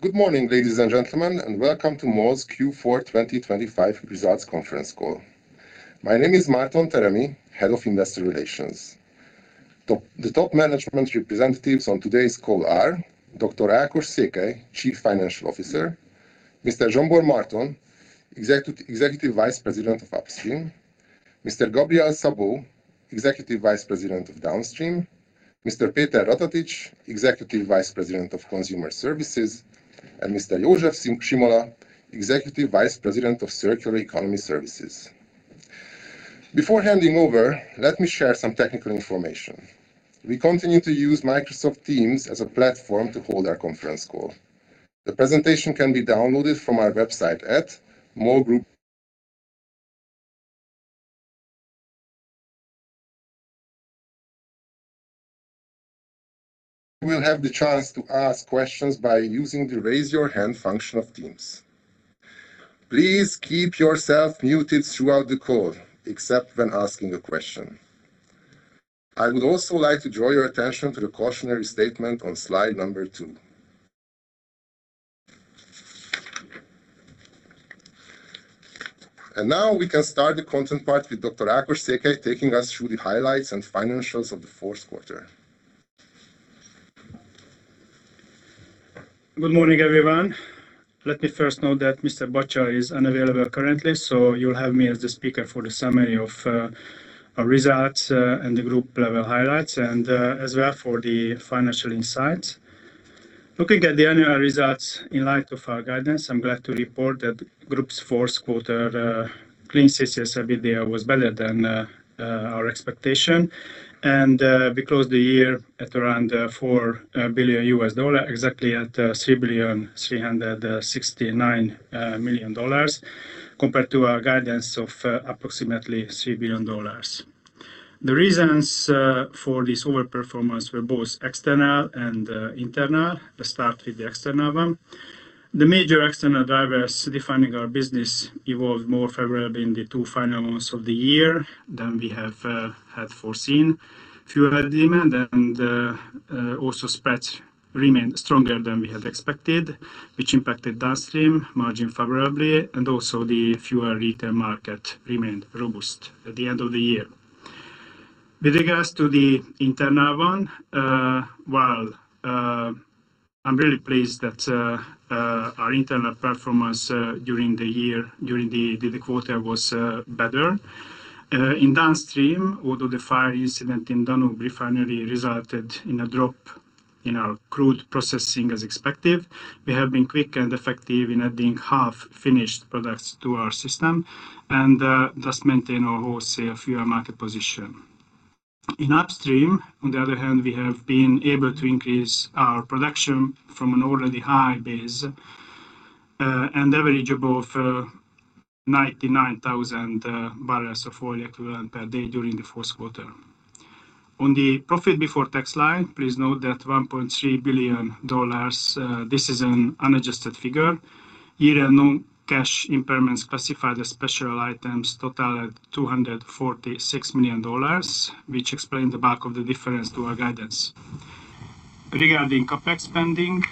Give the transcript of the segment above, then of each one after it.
Good morning, ladies and gentlemen, and welcome to MOL's Q4 2025 results conference call. My name is Márton Teremi, Head of Investor Relations. The top management representatives on today's call are: Dr. Ákos Székely, Chief Financial Officer; Mr. Zsombor Marton, Executive Vice President of Upstream; Mr. Gabriel Szabó, Executive Vice President of Downstream; Mr. Péter Ratatics, Executive Vice President of Consumer Services; and Mr. József Simola, Executive Vice President of Circular Economy Services. Before handing over, let me share some technical information. We continue to use Microsoft Teams as a platform to hold our conference call. The presentation can be downloaded from our website at MOL Group. You will have the chance to ask questions by using the Raise Your Hand function of Teams. Please keep yourself muted throughout the call, except when asking a question. I would also like to draw your attention to the cautionary statement on slide number 2. And now, we can start the content part with Dr. Ákos Székely taking us through the highlights and financials of the fourth quarter. Good morning, everyone. Let me first note that Mr. Bacsa is unavailable currently, so you'll have me as the speaker for the summary of our results, our group-level highlights, and as well for the financial insights. Looking at the annual results in light of our guidance, I'm glad to report that the group's fourth quarter clean CCS EBITDA was better than our expectation. We closed the year at around $4 billion, exactly at $3,369 million, compared to our guidance of approximately $3 billion. The reasons for this overperformance were both external and internal. Let's start with the external one. The major external drivers defining our business evolved more favorably in the two final months of the year than we had foreseen. Fuel demand and also spreads remained stronger than we had expected, which impacted Downstream margin favorably, and also the fuel retail market remained robust at the end of the year. With regards to the internal one, well, I'm really pleased that our internal performance during the year, during the quarter was better. In Downstream, although the fire incident in Danube Refinery resulted in a drop in our crude processing, as expected, we have been quick and effective in adding half-finished products to our system and thus maintain our wholesale fuel market position. In Upstream, on the other hand, we have been able to increase our production from an already high base, an average of 99,000 barrels of oil equivalent per day during the fourth quarter. On the profit before tax line, please note that $1.3 billion, this is an unadjusted figure, year-end non-cash impairments classified as special items total at $246 million, which explain the bulk of the difference to our guidance. Regarding CapEx spending-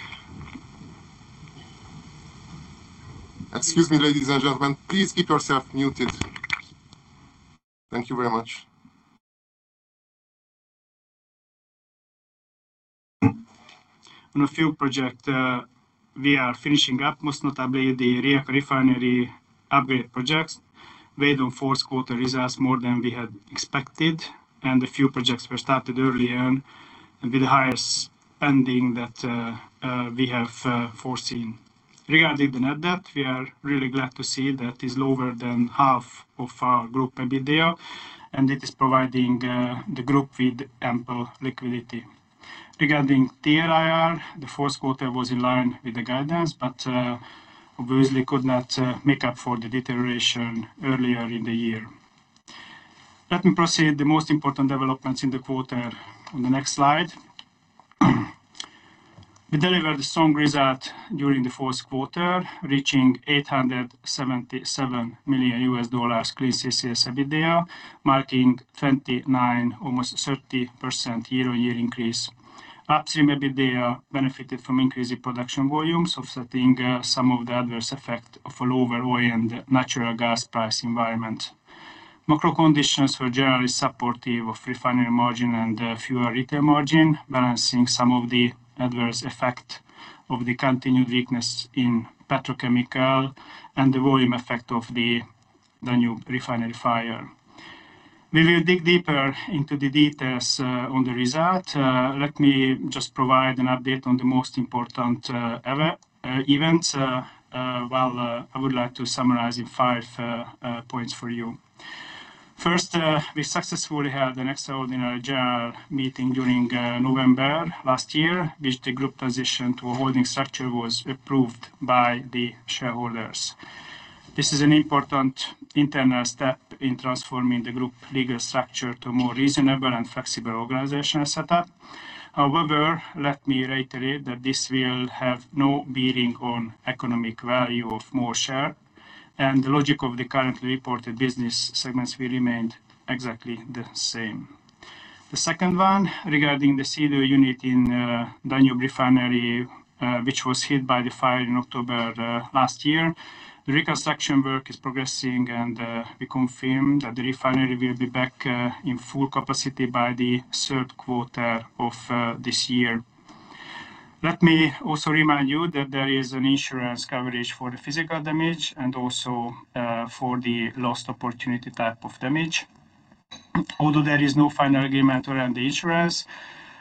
Excuse me, ladies and gentlemen, please keep yourself muted. Thank you very much. On a few projects, we are finishing up, most notably the Rijeka Refinery upgrade projects. Weighed on fourth quarter results more than we had expected, and a few projects were started early on and with a higher spending than we have foreseen. Regarding the net debt, we are really glad to see that it's lower than half of our group EBITDA, and it is providing the group with ample liquidity. Regarding TRIR, the fourth quarter was in line with the guidance, but obviously could not make up for the deterioration earlier in the year. Let me proceed to the most important developments in the quarter on the next slide. We delivered a strong result during the fourth quarter, reaching $877 million clean CCS EBITDA, marking 29%, almost 30% year-on-year increase. Upstream EBITDA benefited from increased production volumes, offsetting some of the adverse effect of a lower oil and natural gas price environment. Macro conditions were generally supportive of refinery margin and fuel retail margin, balancing some of the adverse effect of the continued weakness in petrochemical and the volume effect of the Danube Refinery fire. We will dig deeper into the details on the result. Let me just provide an update on the most important events. Well, I would like to summarize in five points for you. First, we successfully held an extraordinary general meeting during November last year, which the group transition to a holding structure was approved by the shareholders. This is an important internal step in transforming the group legal structure to a more reasonable and flexible organizational setup. However, let me reiterate that this will have no bearing on economic value of MOL share, and the logic of the currently reported business segments will remain exactly the same. The second one, regarding the CDU unit in Danube Refinery, which was hit by the fire in October last year. The reconstruction work is progressing, and we confirm that the refinery will be back in full capacity by the third quarter of this year. Let me also remind you that there is an insurance coverage for the physical damage and also for the lost opportunity type of damage. Although there is no final agreement around the insurance,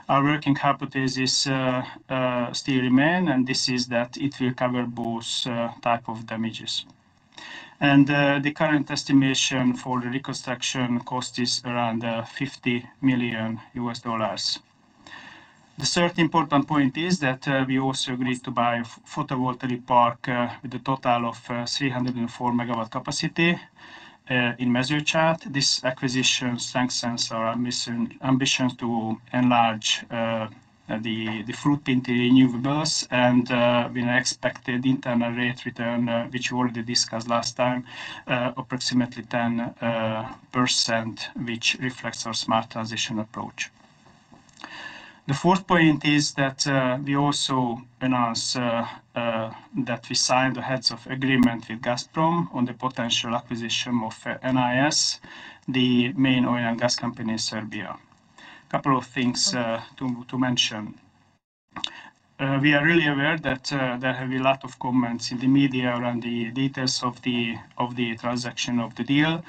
our working hypothesis still remain, and this is that it will cover both type of damages. The current estimation for the reconstruction cost is around $50 million. The third important point is that, we also agreed to buy photovoltaic park, with a total of, 304 MW capacity, in Mezőcsát. This acquisition strengthens our ambition to enlarge, the footprint in renewables and, we expected internal rate return, which we already discussed last time, approximately 10%, which reflects our smart transition approach. The fourth point is that, we also announce, that we signed the heads of agreement with Gazprom on the potential acquisition of, NIS, the main oil and gas company in Serbia. Couple of things, to mention. We are really aware that, there have been a lot of comments in the media around the details of the, transaction of the deal.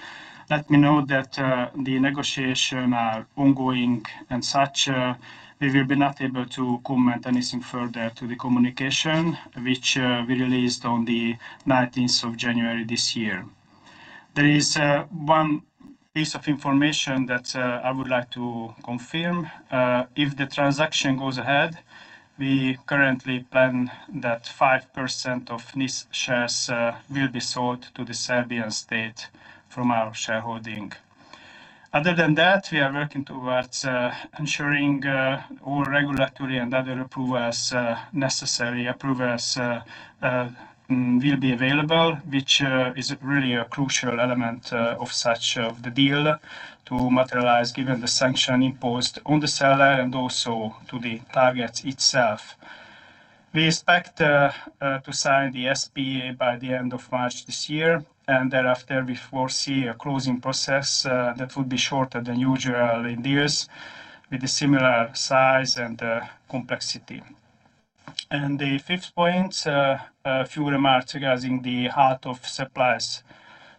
Let me note that, the negotiation are ongoing and such, we will be not able to comment anything further to the communication, which, we released on the 19th of January this year. There is, one piece of information that, I would like to confirm. If the transaction goes ahead, we currently plan that 5% of NIS shares, will be sold to the Serbian state from our shareholding. Other than that, we are working towards, ensuring, all regulatory and other approvals, necessary approvals, will be available, which, is really a crucial element, of such of the deal to materialize, given the sanction imposed on the seller and also to the target itself. We expect to sign the SPA by the end of March this year, and thereafter, we foresee a closing process that would be shorter than usual in deals with a similar size and complexity. And the fifth point, a few remarks regarding the halt of supplies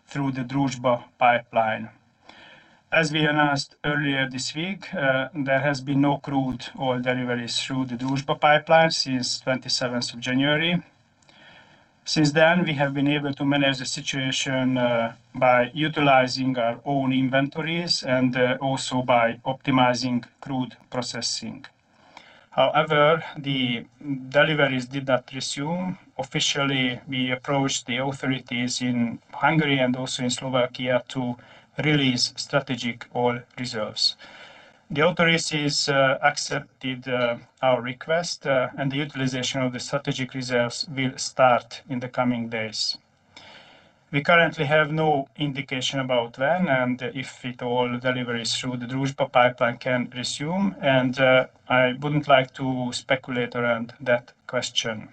through the Druzhba pipeline. As we announced earlier this week, there has been no crude oil deliveries through the Druzhba pipeline since 27th of January. Since then, we have been able to manage the situation by utilizing our own inventories and also by optimizing crude processing. However, the deliveries did not resume. Officially, we approached the authorities in Hungary and also in Slovakia to release strategic oil reserves. The authorities accepted our request, and the utilization of the strategic reserves will start in the coming days. We currently have no indication about when and if at all, deliveries through the Druzhba pipeline can resume, and I wouldn't like to speculate around that question.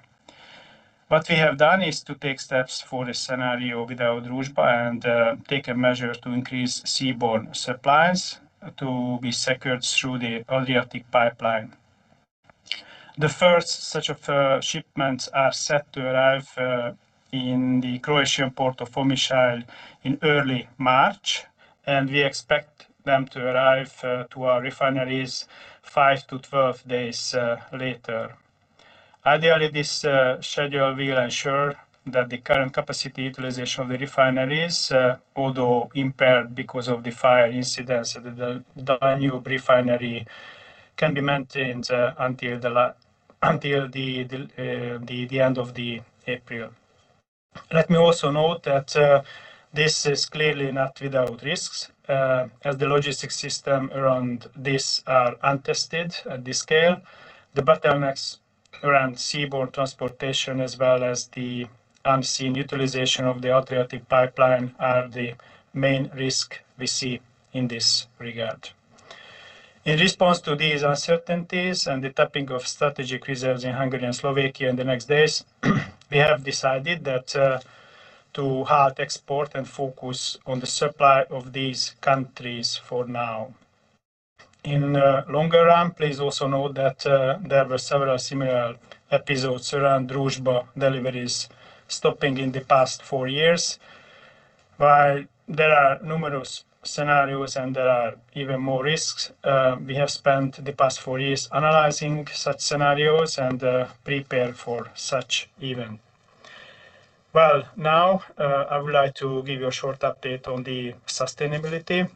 What we have done is to take steps for a scenario without Druzhba and take a measure to increase seaborne supplies to be secured through the Adriatic pipeline. The first such of shipments are set to arrive in the Croatian port of Omišalj in early March, and we expect them to arrive to our refineries five to 12 days later. Ideally, this schedule will ensure that the current capacity utilization of the refineries, although impaired because of the fire incidents at the Danube Refinery, can be maintained until the end of April. Let me also note that, this is clearly not without risks, as the logistics system around this are untested at this scale. The bottlenecks around seaborne transportation, as well as the unseen utilization of the Adriatic Pipeline, are the main risk we see in this regard. In response to these uncertainties and the tapping of strategic reserves in Hungary and Slovakia in the next days, we have decided that, to halt export and focus on the supply of these countries for now. In the longer run, please also note that, there were several similar episodes around Druzhba deliveries stopping in the past four years. While there are numerous scenarios and there are even more risks, we have spent the past four years analyzing such scenarios and, prepared for such event. Well, now, I would like to give you a short update on the sustainability.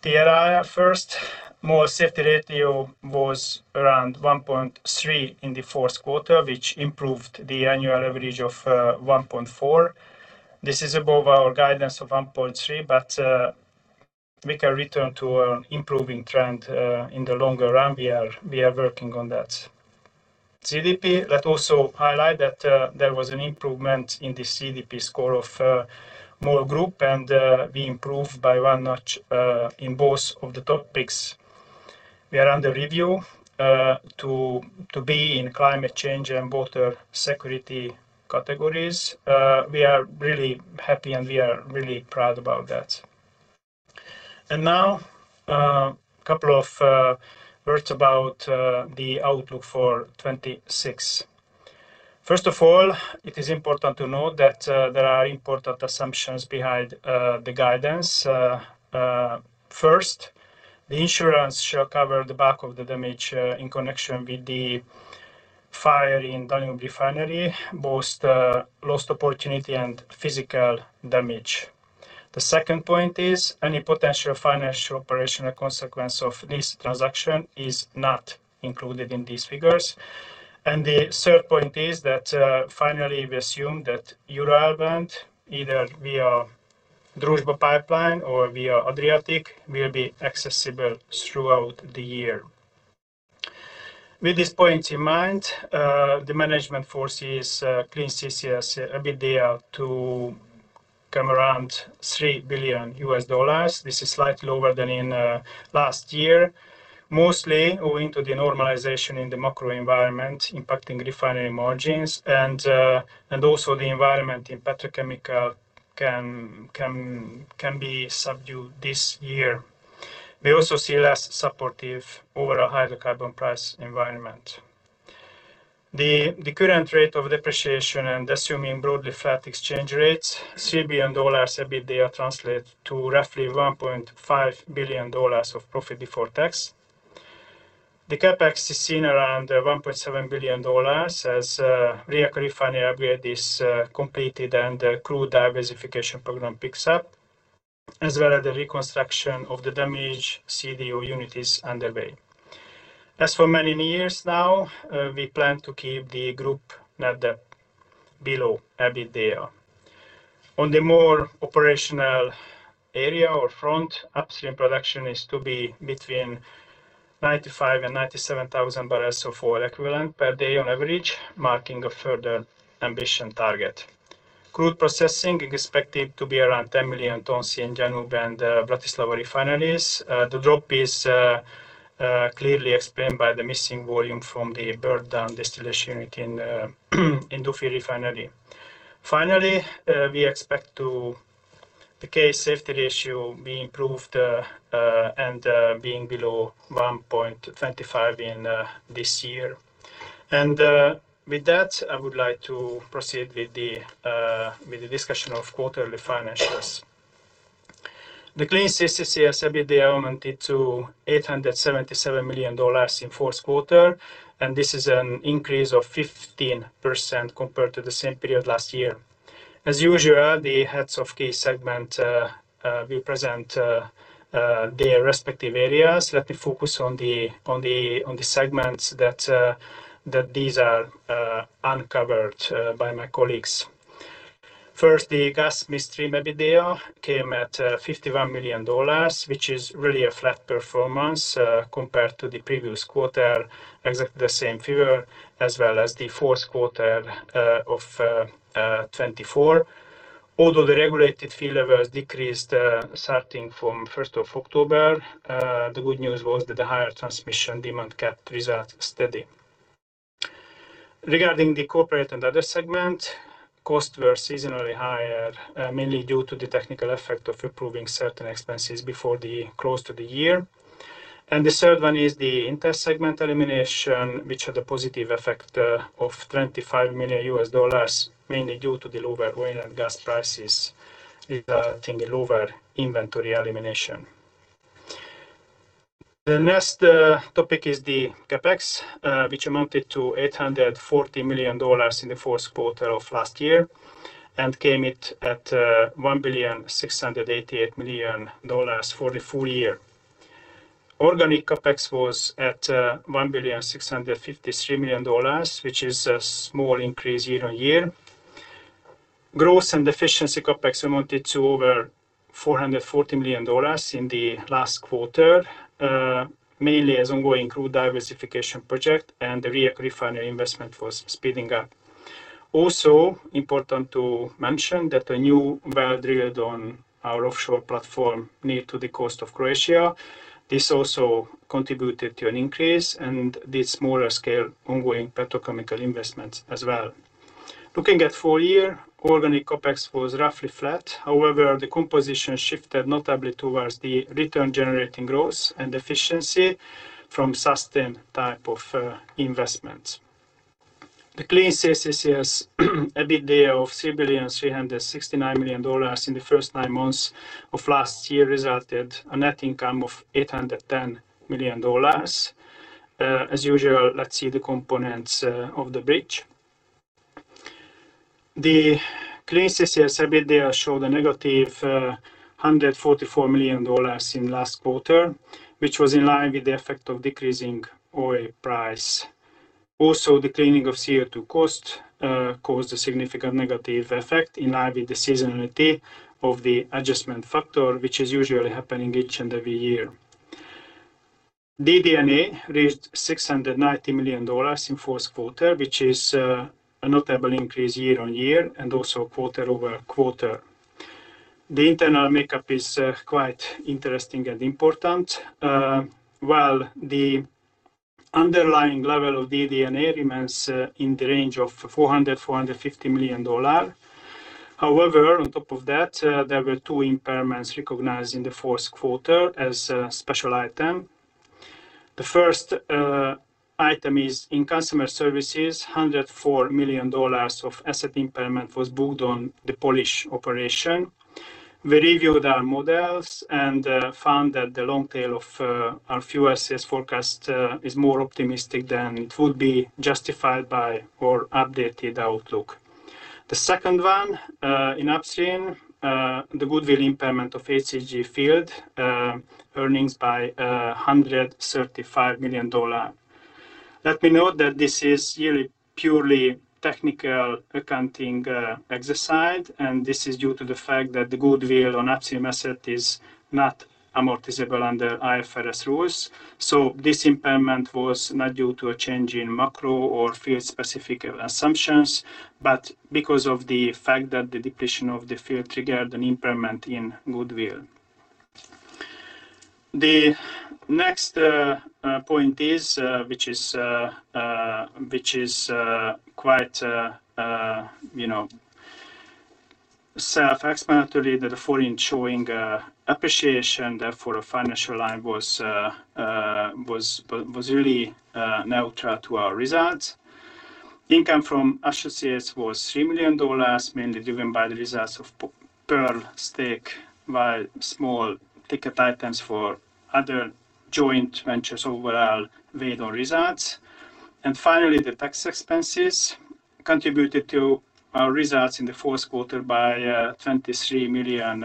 The first, more safety ratio was around 1.3 in the fourth quarter, which improved the annual average of 1.4. This is above our guidance of 1.3, but make a return to an improving trend. In the longer run, we are, we are working on that. CDP, let's also highlight that there was an improvement in the CDP score of MOL Group, and we improved by one notch in both of the topics. We are under review to be in climate change and water security categories. We are really happy, and we are really proud about that. Now, couple of words about the outlook for 2026. First of all, it is important to note that, there are important assumptions behind, the guidance. First, the insurance shall cover the bulk of the damage, in connection with the fire in Danube refinery, both, lost opportunity and physical damage. The second point is, any potential financial operational consequence of this transaction is not included in these figures. And the third point is that, finally, we assume that Urals blend, either via Druzhba pipeline or via Adriatic, will be accessible throughout the year. With these points in mind, the management forecasts Clean CCS EBITDA to come around $3 billion. This is slightly lower than in, last year, mostly owing to the normalization in the macro environment, impacting refinery margins, and, and also the environment in petrochemicals can be subdued this year. We also see less supportive over a higher carbon price environment. The current rate of depreciation and assuming broadly flat exchange rates, $3 billion EBITDA translate to roughly $1.5 billion of profit before tax. The CapEx is seen around $1.7 billion, as Rijeka Refinery upgrade is completed, and the crude diversification program picks up, as well as the reconstruction of the damaged CDU unit is underway. As for many years now, we plan to keep the group net debt below EBITDA. On the more operational area or front, Upstream production is to be between 95-97 thousand barrels of oil equivalent per day on average, marking a further ambitious target. Crude processing is expected to be around 10 million tons in Danube and Bratislava refineries. The drop is clearly explained by the missing volume from the burnt down distillation unit in Danube Refinery. Finally, we expect the case safety ratio to be improved and being below 1.25 in this year. With that, I would like to proceed with the discussion of quarterly financials. The Clean CCS EBITDA amounted to $877 million in fourth quarter, and this is an increase of 15% compared to the same period last year. As usual, the heads of key segment will present their respective areas. Let me focus on the segments that these are uncovered by my colleagues. First, the Gas Midstream EBITDA came at $51 million, which is really a flat performance compared to the previous quarter, exactly the same figure as well as the fourth quarter of 2024. Although the regulated fee levels decreased starting from first of October, the good news was that the higher transmission demand kept results steady. Regarding the Corporate and other Segment, costs were seasonally higher, mainly due to the technical effect of accruing certain expenses before the close to the year. The third one is the intersegment elimination, which had a positive effect of $25 million, mainly due to the lower oil and gas prices, resulting in lower inventory elimination. The next topic is the CapEx, which amounted to $840 million in the fourth quarter of last year and came in at $1,688 million for the full year. Organic CapEx was at $1,653 million, which is a small increase year-on-year. Growth and efficiency CapEx amounted to over $440 million in the last quarter, mainly as ongoing crude diversification project and the Rijeka Refinery investment was speeding up. Also, important to mention that a new well drilled on our offshore platform near to the coast of Croatia. This also contributed to an increase and the smaller scale ongoing petrochemical investments as well. Looking at full year, organic CapEx was roughly flat. However, the composition shifted notably towards the return-generating growth and efficiency from sustained type of investments. The Clean CCS EBITDA of $3.369 billion in the first nine months of last year resulted a net income of $810 million. As usual, let's see the components of the bridge. The Clean CCS EBITDA showed $-144 million in last quarter, which was in line with the effect of decreasing oil price. Also, the cleaning of CO2 cost caused a significant negative effect in line with the seasonality of the adjustment factor, which is usually happening each and every year. DD&A raised $690 million in fourth quarter, which is a notable increase year-over-year and also quarter-over-quarter. The internal makeup is quite interesting and important. While the underlying level of DD&A remains in the range of $400 million-$450 million. However, on top of that, there were two impairments recognized in the fourth quarter as a special item. The first item is in Consumer Services, $104 million of asset impairment was booked on the Polish operation. We reviewed our models and found that the long tail of our fuel sales forecast is more optimistic than it would be justified by our updated outlook. The second one in Upstream, the goodwill impairment of ACG field, earnings by $135 million. Let me note that this is really purely technical accounting exercise, and this is due to the fact that the goodwill on Upstream asset is not amortizable under IFRS rules. This impairment was not due to a change in macro or field-specific assumptions, but because of the fact that the depletion of the field triggered an impairment in goodwill. The next point is, which is quite, you know, self-explanatory, that the forint showing appreciation, therefore, a financial line was really neutral to our results. Income from associates was $3 million, mainly driven by the results of Pearl stake, by small ticket items for other joint ventures overall weighed on results. Finally, the tax expenses contributed to our results in the fourth quarter by $23 million,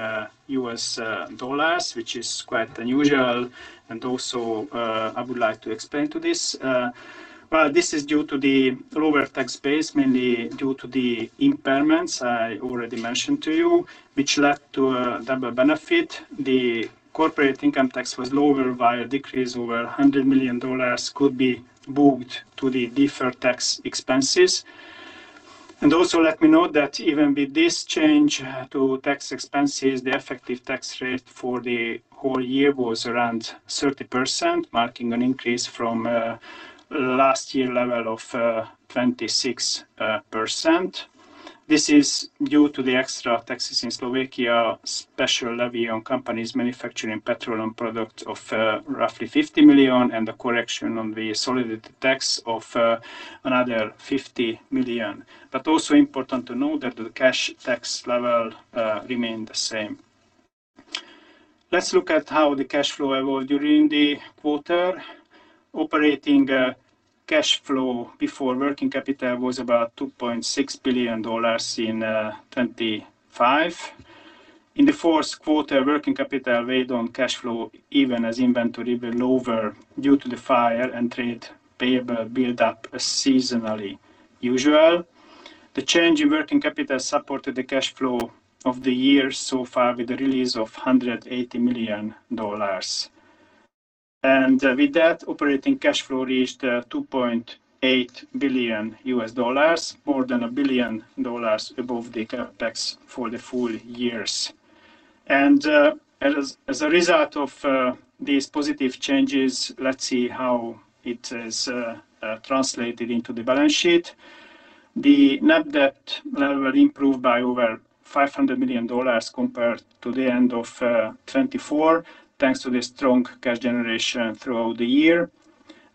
which is quite unusual. I would like to explain this. Well, this is due to the lower tax base, mainly due to the impairments I already mentioned to you, which led to a double benefit. The corporate income tax was lower via decrease, over $100 million could be booked to the deferred tax expenses. Also, let me note that even with this change to tax expenses, the effective tax rate for the whole year was around 30%, marking an increase from last year level of 26%. This is due to the extra taxes in Slovakia, special levy on companies manufacturing petroleum products of roughly $50 million, and the correction on the solidarity tax of another $50 million. Also important to note that the cash tax level remained the same. Let's look at how the cash flow evolved during the quarter. Operating cash flow before working capital was about $2.6 billion in 2025. In the fourth quarter, working capital weighed on cash flow, even as inventory went lower due to the fire and trade payable build up as seasonally usual. The change in working capital supported the cash flow of the year so far, with the release of $180 million. And with that, operating cash flow reached $2.8 billion, more than $1 billion above the CapEx for the full years. And as a result of these positive changes, let's see how it is translated into the balance sheet. The net debt level improved by over $500 million compared to the end of 2024, thanks to the strong cash generation throughout the year.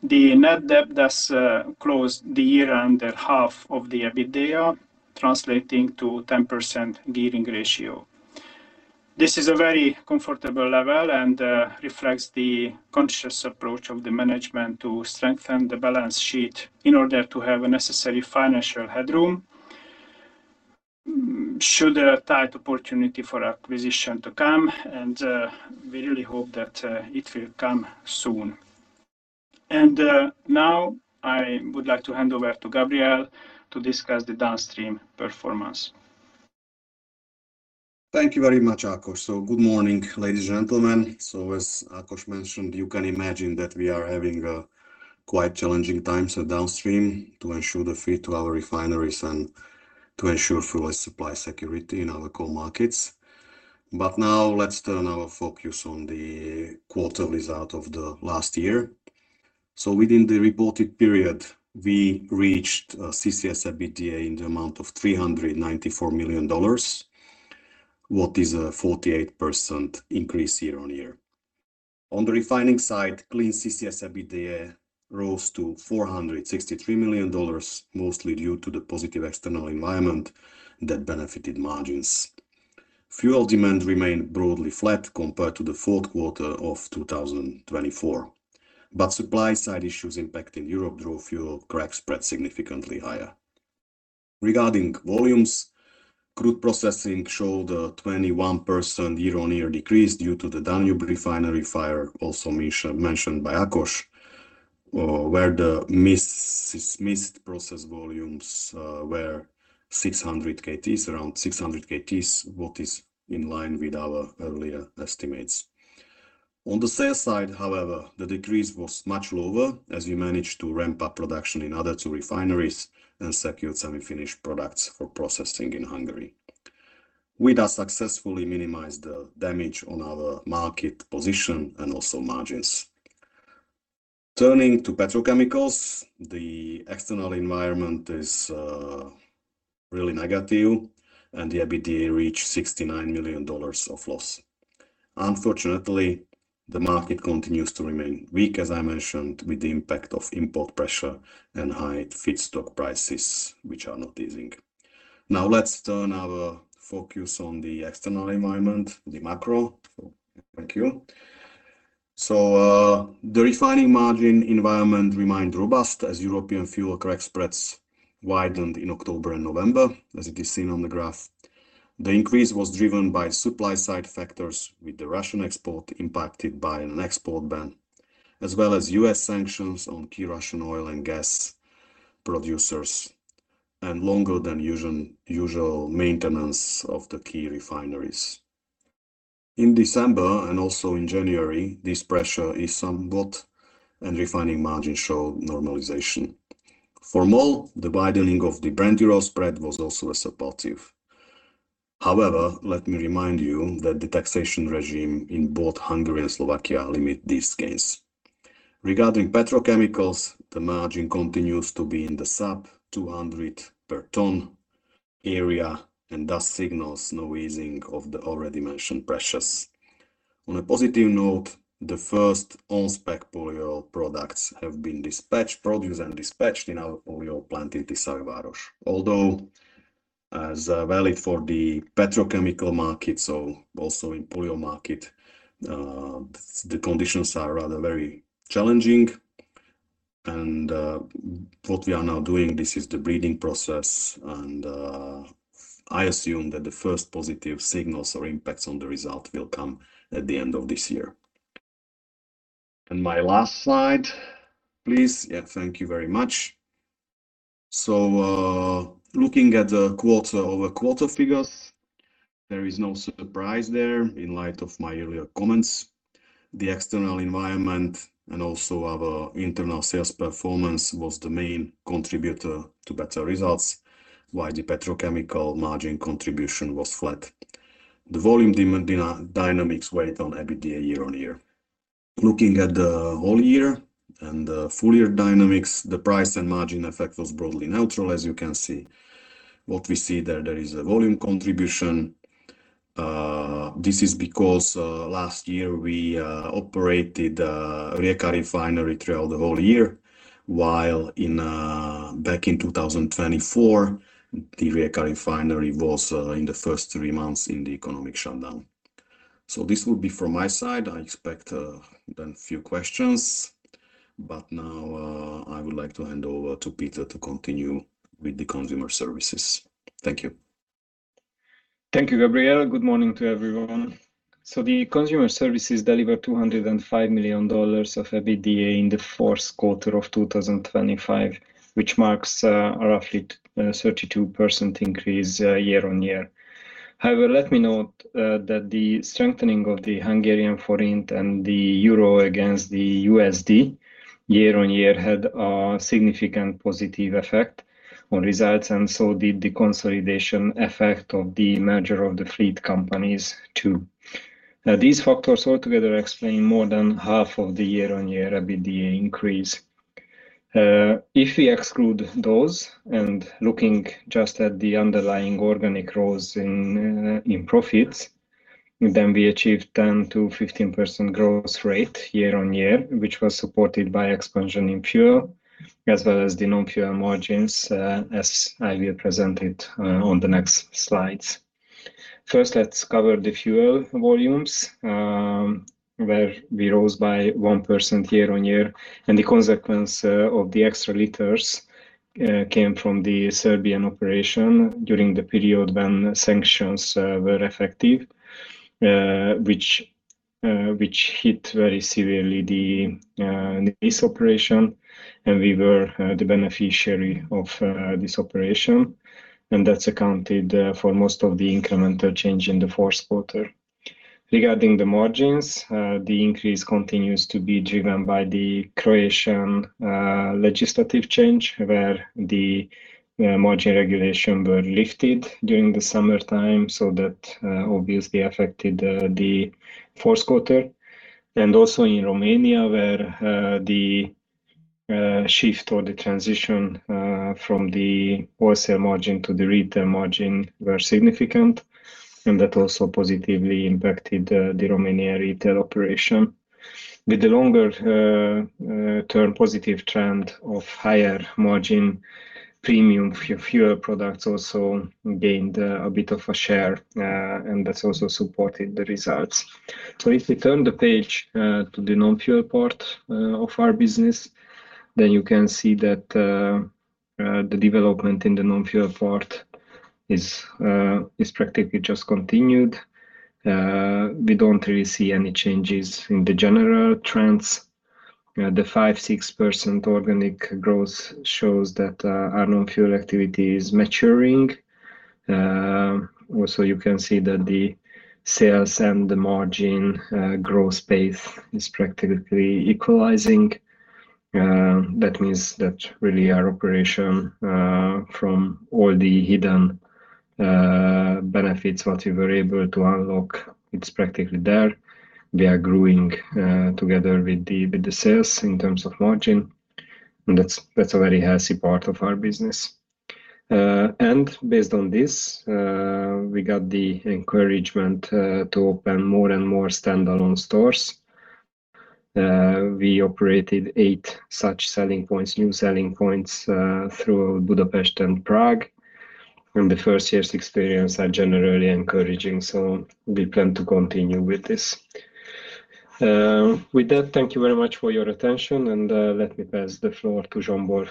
The net debt thus closed the year under half of the EBITDA, translating to 10% gearing ratio. This is a very comfortable level and reflects the conscious approach of the management to strengthen the balance sheet in order to have a necessary financial headroom, should a tight opportunity for acquisition to come, and we really hope that it will come soon. And now I would like to hand over to Gabriel to discuss the Downstream performance. Thank you very much, Ákos. Good morning, ladies and gentlemen. As Ákos mentioned, you can imagine that we are having a quite challenging time, so Downstream to ensure the feed to our refineries and to ensure fuel supply security in our core markets. But now let's turn our focus on the quarter result of the last year. Within the reported period, we reached CCS EBITDA in the amount of $394 million, what is a 48% increase year-on-year. On the refining side, clean CCS EBITDA rose to $463 million, mostly due to the positive external environment that benefited margins. Fuel demand remained broadly flat compared to the fourth quarter of 2024, but supply side issues impact in Europe drove fuel crack spread significantly higher. Regarding volumes, crude processing showed a 21% year-on-year decrease due to the Danube Refinery fire, also mentioned by Ákos, where the missed process volumes were 600 kts, around 600 kts, which is in line with our earlier estimates. On the sales side, however, the decrease was much lower as we managed to ramp up production in other two refineries and secure semi-finished products for processing in Hungary. We thus successfully minimized the damage on our market position and also margins. Turning to petrochemicals, the external environment is really negative, and the EBITDA reached $69 million of loss. Unfortunately, the market continues to remain weak, as I mentioned, with the impact of import pressure and high feedstock prices, which are not easing. Now, let's turn our focus on the external environment, the macro. Thank you. So, the refining margin environment remained robust as European fuel crack spreads widened in October and November, as it is seen on the graph. The increase was driven by supply-side factors, with the Russian export impacted by an export ban, as well as US sanctions on key Russian oil and gas producers, and longer than usual maintenance of the key refineries. In December and also in January, this pressure is somewhat, and refining margins show normalization. For MOL, the widening of the Brent-Ural spread was also a supportive. However, let me remind you that the taxation regime in both Hungary and Slovakia limit these gains. Regarding petrochemicals, the margin continues to be in the sub 200 per ton area and thus signals no easing of the already mentioned pressures. On a positive note, the first on-spec polyol products have been produced and dispatched in our polyol plant in Tiszaújváros. Although, as valid for the petrochemical market, so also in polyol market, the conditions are rather very challenging. And what we are now doing, this is the ramping process, and I assume that the first positive signals or impacts on the result will come at the end of this year. And my last slide, please. Yeah, thank you very much. So looking at the quarter-over-quarter figures, there is no surprise there in light of my earlier comments. The external environment and also our internal sales performance was the main contributor to better results, while the petrochemical margin contribution was flat. The volume dynamics weighed on EBITDA year-on-year. Looking at the whole year and the full year dynamics, the price and margin effect was broadly neutral as you can see. What we see there, there is a volume contribution. This is because last year we operated Rijeka Refinery throughout the whole year, while back in 2024, the Rijeka Refinery was in the first three months in the economic shutdown. This would be from my side. I expect then few questions, but now I would like to hand over to Péter to continue with the Consumer Services. Thank you. Thank you, Gabriel. Good morning to everyone. So the Consumer Services delivered $205 million of EBITDA in the fourth quarter of 2025, which marks a roughly 32% increase year-on-year. However, let me note that the strengthening of the Hungarian forint and the euro against the USD year-on-year had a significant positive effect on results, and so did the consolidation effect of the merger of the fleet companies, too. Now, these factors altogether explain more than half of the year-on-year EBITDA increase. If we exclude those and looking just at the underlying organic growth in profits, then we achieved 10%-15% growth rate year-on-year, which was supported by expansion in fuel, as well as the non-fuel margins, as I will present it on the next slides. First, let's cover the fuel volumes, where we rose by 1% year-on-year, and the consequence of the extra liters came from the Serbian operation during the period when sanctions were effective, which hit very severely the NIS operation, and we were the beneficiary of this operation, and that's accounted for most of the incremental change in the fourth quarter. Regarding the margins, the increase continues to be driven by the Croatian legislative change, where the margin regulation were lifted during the summertime, so that obviously affected the fourth quarter. And also in Romania, where the shift or the transition from the wholesale margin to the retail margin were significant, and that also positively impacted the Romanian retail operation. With the longer term positive trend of higher margin, premium fuel products also gained a bit of a share, and that's also supported the results. So if we turn the page to the non-fuel part of our business, then you can see that the development in the non-fuel part is practically just continued. We don't really see any changes in the general trends. The 5-6% organic growth shows that our non-fuel activity is maturing. Also, you can see that the sales and the margin growth pace is practically equalizing. That means that really our operation from all the hidden benefits what we were able to unlock, it's practically there. They are growing together with the sales in terms of margin, and that's a very healthy part of our business. And based on this, we got the encouragement to open more and more standalone stores. We operated eight such selling points, new selling points, through Budapest and Prague, and the first year's experience are generally encouraging, so we plan to continue with this. With that, thank you very much for your attention, and let me pass the floor to Zsombor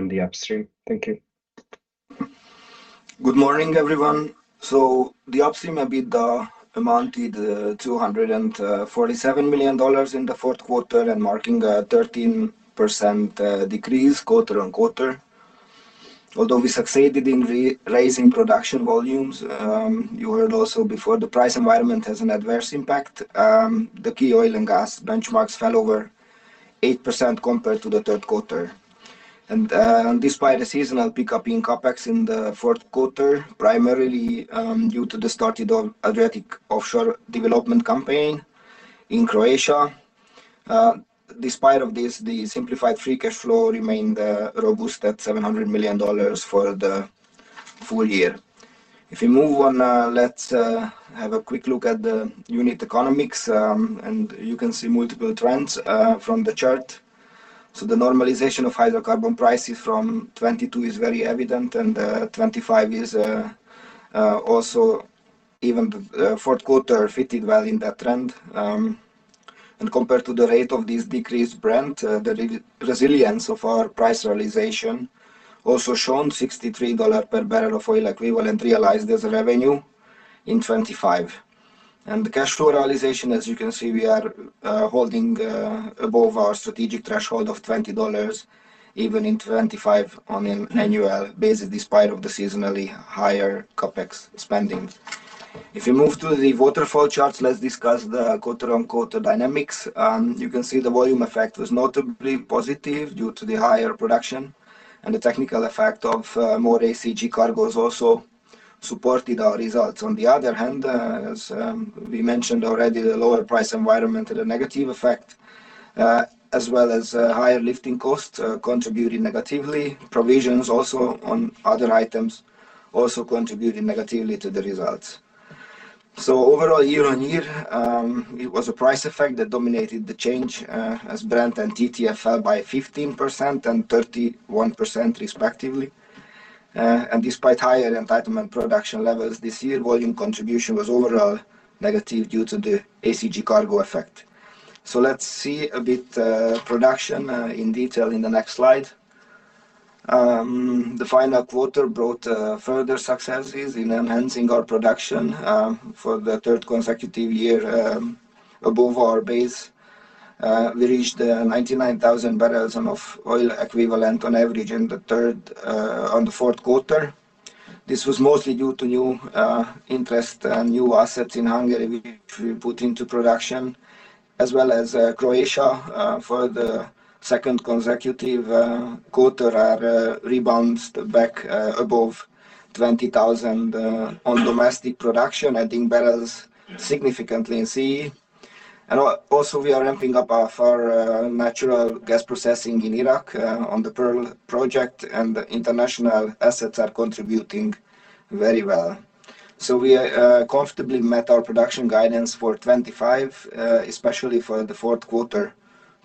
in the Upstream. Thank you. Good morning, everyone. The Upstream EBITDA amounted to $247 million in the fourth quarter, marking a 13% decrease quarter-over-quarter. Although we succeeded in re-raising production volumes, you heard also before, the price environment has an adverse impact. The key oil and gas benchmarks fell over 8% compared to the third quarter. Despite the seasonal pickup in CapEx in the fourth quarter, primarily due to the start of Adriatic Offshore development campaign in Croatia, despite this, the simplified free cash flow remained robust at $700 million for the full year. If we move on, let's have a quick look at the unit economics. You can see multiple trends from the chart. Normalization of hydrocarbon prices from 2022 is very evident, and 2025 is also even the fourth quarter fitted well in that trend. Compared to the rate of this decreased Brent, the resilience of our price realization also shown $63 per barrel of oil equivalent realized as revenue in 2025. The cash flow realization, as you can see, we are holding above our strategic threshold of $20, even in 2025 on an annual basis, despite the seasonally higher CapEx spending. If you move to the waterfall charts, let's discuss the quarter-over-quarter dynamics. You can see the volume effect was notably positive due to the higher production, and the technical effect of more ACG cargos also supported our results. On the other hand, as we mentioned already, the lower price environment had a negative effect, as well as higher lifting costs, contributing negatively. Provisions also on other items, also contributing negatively to the results. So overall, year-on-year, it was a price effect that dominated the change, as Brent and TTF fell by 15% and 31% respectively. And despite higher entitlement production levels, this year volume contribution was overall negative due to the ACG cargo effect. So let's see a bit, production, in detail in the next slide. The final quarter brought further successes in enhancing our production, for the third consecutive year, above our base. We reached 99,000 barrels of oil equivalent on average in the third, on the fourth quarter. This was mostly due to new interest and new assets in Hungary, which we put into production, as well as Croatia. For the second consecutive quarter, our rebounds back above 20,000 on domestic production, adding barrels significantly in C. Also, we are ramping up our natural gas processing in Iraq on the Pearl project, and the international assets are contributing very well. We comfortably met our production guidance for 2025, especially for the fourth quarter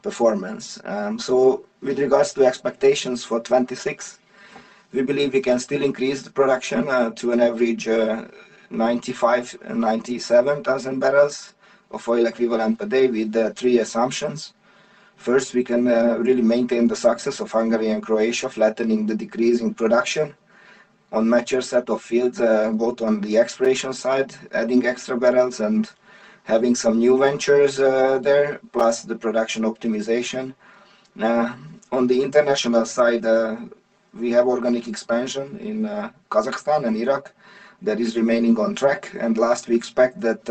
performance. With regards to expectations for 2026, we believe we can still increase the production to an average 95,000-97,000 barrels of oil equivalent per day with the three assumptions. First, we can really maintain the success of Hungary and Croatia, flattening the decrease in production on mature set of fields, both on the exploration side, adding extra barrels and having some new ventures there, plus the production optimization. On the international side, we have organic expansion in Kazakhstan and Iraq that is remaining on track. Last, we expect that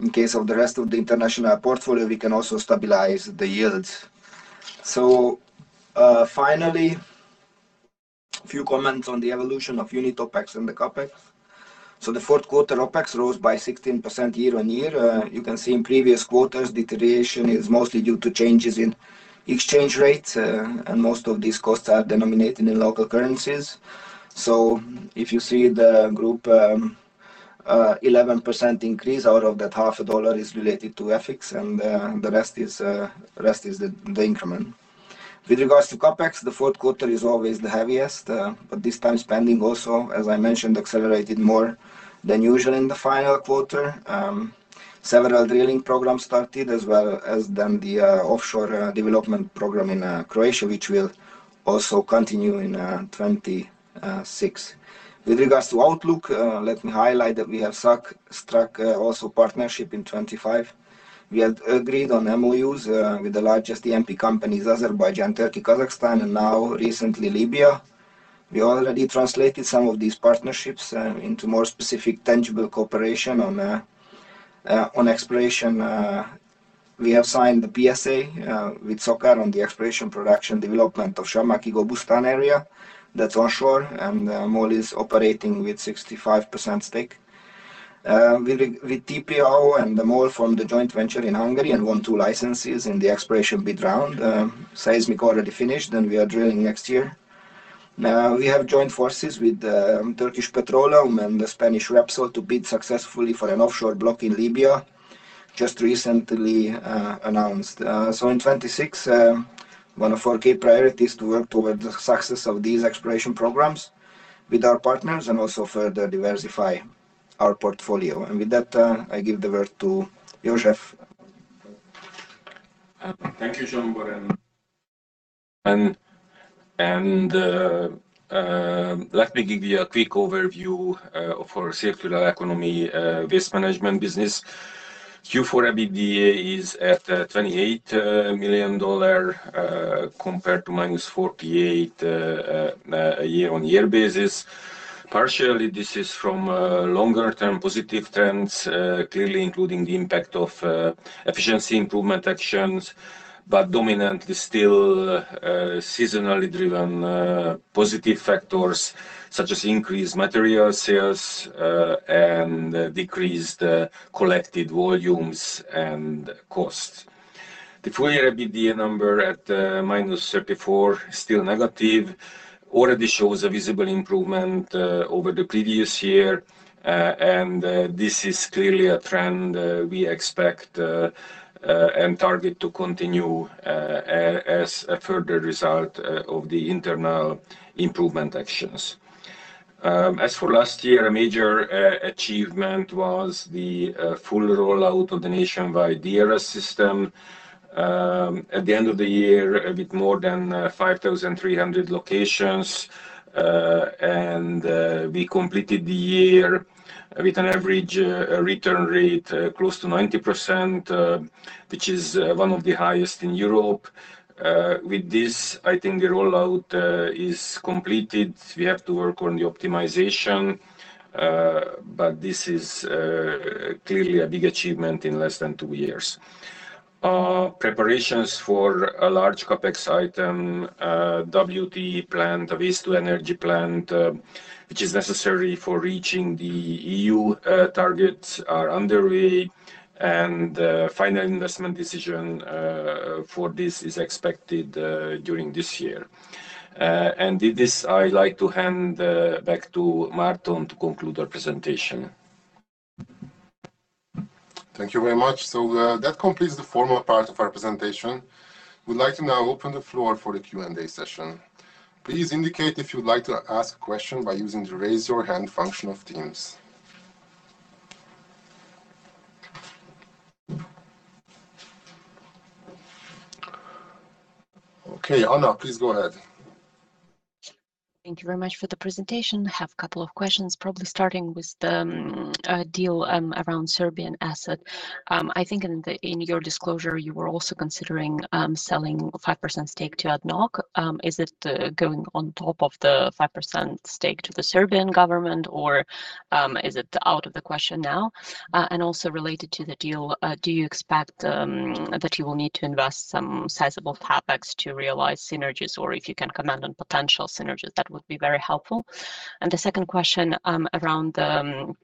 in case of the rest of the international portfolio, we can also stabilize the yields. Finally, a few comments on the evolution of unit OpEx and the CapEx. The fourth quarter OpEx rose by 16% year-over-year. You can see in previous quarters, deterioration is mostly due to changes in exchange rates, and most of these costs are denominated in local currencies. So if you see the group, 11% increase, out of that $0.50 is related to FX, and the rest is the increment. With regards to CapEx, the fourth quarter is always the heaviest, but this time spending also, as I mentioned, accelerated more than usual in the final quarter, several drilling programs started, as well as the offshore development program in Croatia, which will also continue in 2026. With regards to outlook, let me highlight that we have struck also partnership in 2025. We had agreed on MOUs with the largest E&P companies, Azerbaijan, Turkey, Kazakhstan, and now recently, Libya. We already translated some of these partnerships into more specific tangible cooperation on exploration. We have signed the PSA with SOCAR on the exploration, production, development of Shamakhi-Gobustan area. That's onshore, and MOL is operating with 65% stake. With TPAO and MOL formed a joint venture in Hungary and won two licenses in the exploration bid round. Seismic already finished, and we are drilling next year. Now, we have joined forces with Turkish Petroleum and the Spanish Repsol to bid successfully for an offshore block in Libya, just recently announced. In 2026, one of our key priorities is to work towards the success of these exploration programs with our partners and also further diversify our portfolio. With that, I give the word to József. Thank you, Zsombor. Let me give you a quick overview for Circular Economy Waste Management business. Q4 EBITDA is at $28 million compared to -$48 million year-on-year basis. Partially, this is from longer-term positive trends, clearly including the impact of efficiency improvement actions, but dominant is still seasonally driven positive factors such as increased material sales and decreased collected volumes and costs. The full-year EBITDA number at -$34 million, still negative, already shows a visible improvement over the previous year. This is clearly a trend we expect and target to continue as a further result of the internal improvement actions. As for last year, a major achievement was the full rollout of the nationwide DRS system. At the end of the year, a bit more than 5,300 locations, and we completed the year with an average return rate close to 90%, which is one of the highest in Europe. With this, I think the rollout is completed. We have to work on the optimization, but this is clearly a big achievement in less than two years. Preparations for a large CapEx item, WtE plant, a Waste-to-Energy plant, which is necessary for reaching the EU targets, are underway, and final investment decision for this is expected during this year. With this, I'd like to hand back to Márton to conclude our presentation. Thank you very much. So, that completes the formal part of our presentation. We'd like to now open the floor for the Q&A session. Please indicate if you'd like to ask a question by using the Raise Your Hand function of Teams. Okay, Anna, please go ahead. Thank you very much for the presentation. I have a couple of questions, probably starting with the deal around Serbian asset. I think in the, in your disclosure, you were also considering selling 5% stake to ADNOC. Is it going on top of the 5% stake to the Serbian government, or is it out of the question now? And also related to the deal, do you expect that you will need to invest some sizable CapEx to realize synergies? Or if you can comment on potential synergies, that would be very helpful. The second question around the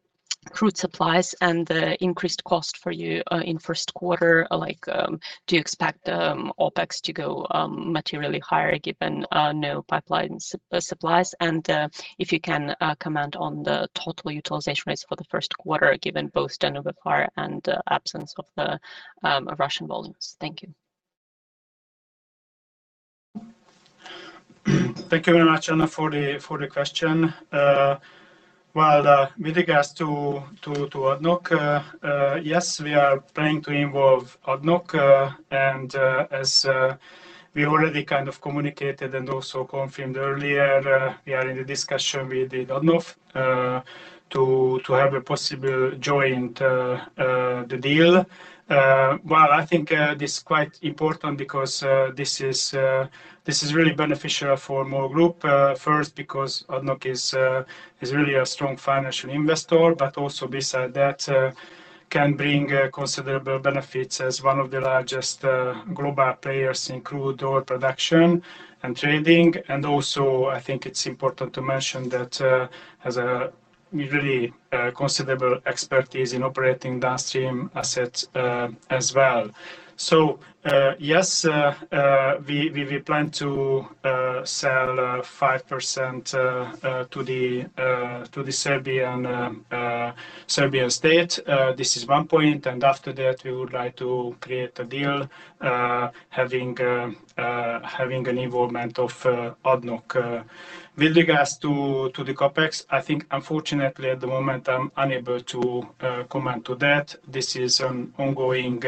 crude supplies and the increased cost for you in first quarter. Like, do you expect OpEx to go materially higher given no pipeline supplies? And, if you can comment on the total utilization rates for the first quarter, given both Danube fire and absence of the Russian volumes. Thank you. Thank you very much, Anna, for the question. Well, with regards to ADNOC, yes, we are planning to involve ADNOC, and as we already kind of communicated and also confirmed earlier, we are in the discussion with ADNOC to have a possible joint deal. Well, I think this is quite important because this is really beneficial for MOL Group. First, because ADNOC is really a strong financial investor, but also beside that, can bring considerable benefits as one of the largest global players in crude oil production and trading. Also, I think it's important to mention that we really considerable expertise in operating Downstream assets as well. So yes we plan to sell 5% to the Serbian state. This is one point, and after that, we would like to create a deal having an involvement of ADNOC. With regards to the CapEx, I think unfortunately at the moment, I'm unable to comment to that. This is an ongoing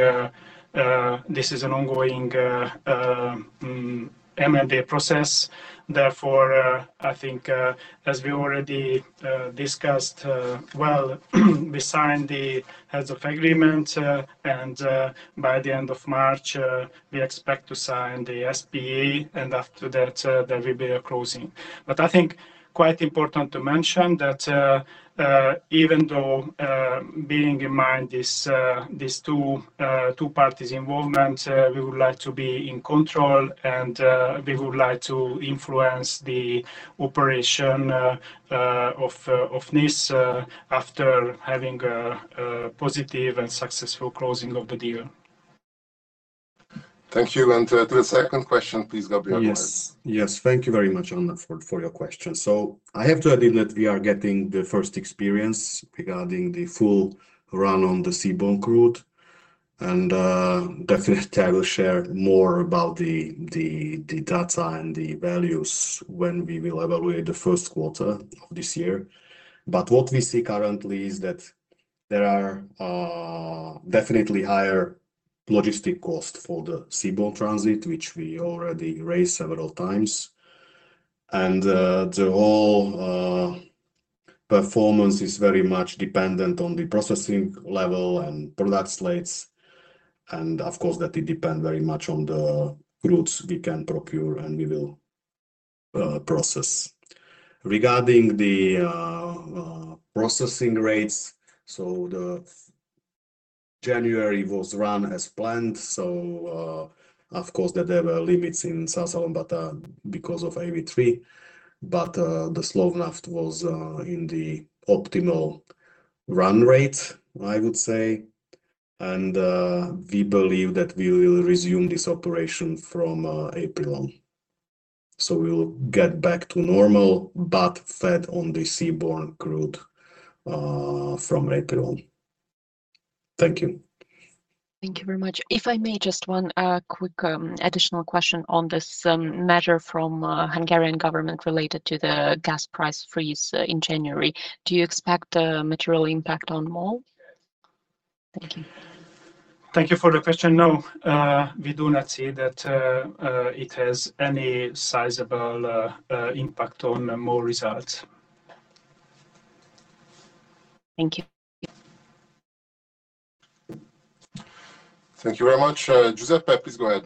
M&A process. Therefore I think as we already discussed well we signed the heads of agreement and by the end of March we expect to sign the SPA, and after that there will be a closing. But I think quite important to mention that, even though, being in mind this, these two parties' involvement, we would like to be in control, and we would like to influence the operation of of NIS after having a positive and successful closing of the deal. Thank you. The second question, please, Gabriel Szabó. Yes. Yes, thank you very much, Anna, for your question. So I have to admit that we are getting the first experience regarding the full run on the seaborne route. And, definitely, I will share more about the data and the values when we will evaluate the first quarter of this year. But what we see currently is that there are, definitely higher logistic cost for the seaborne transit, which we already raised several times. And, the whole, performance is very much dependent on the processing level and product slates, and of course, that it depend very much on the routes we can procure, and we will, process. Regarding the processing rates, so the January was run as planned, so, of course, there were limits in Százhalombatta, but because of AV3, but the Slovnaft was in the optimal run rate, I would say. And we believe that we will resume this operation from April on. So we will get back to normal, but fed on the seaborne crude from April on. Thank you. Thank you very much. If I may, just one quick additional question on this measure from Hungarian government related to the gas price freeze in January. Do you expect a material impact on MOL? Thank you. Thank you for the question. No, we do not see that it has any sizable impact on the MOL results. Thank you. Thank you very much. Giuseppe, please go ahead.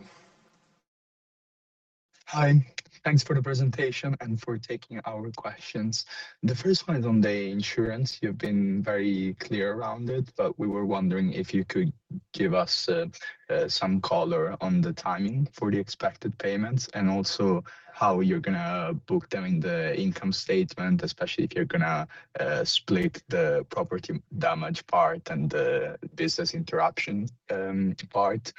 Hi. Thanks for the presentation and for taking our questions. The first one is on the insurance. You've been very clear around it, but we were wondering if you could give us some color on the timing for the expected payments, and also how you're gonna book them in the income statement, especially if you're gonna split the property damage part and the business interruption part.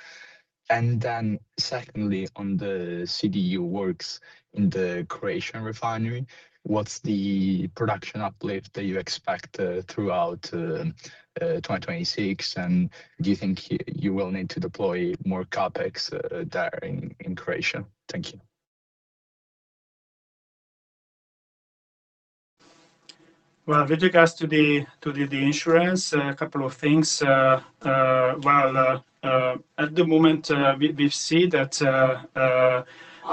And then secondly, on the CDU works in the Croatian refinery, what's the production uplift that you expect throughout 2026? And do you think you will need to deploy more CapEx there in Croatia? Thank you. Well, with regards to the insurance, a couple of things. Well, at the moment, we see that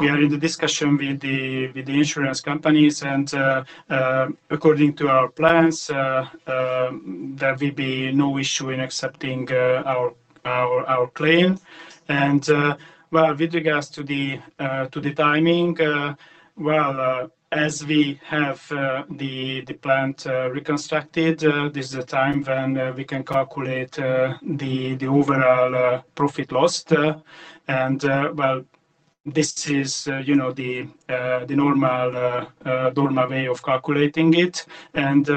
we are in the discussion with the insurance companies, and according to our plans, there will be no issue in accepting our claim. And, well, with regards to the timing, well, as we have the plant reconstructed, this is the time when we can calculate the overall profit lost. And, well, this is, you know, the normal way of calculating it. And,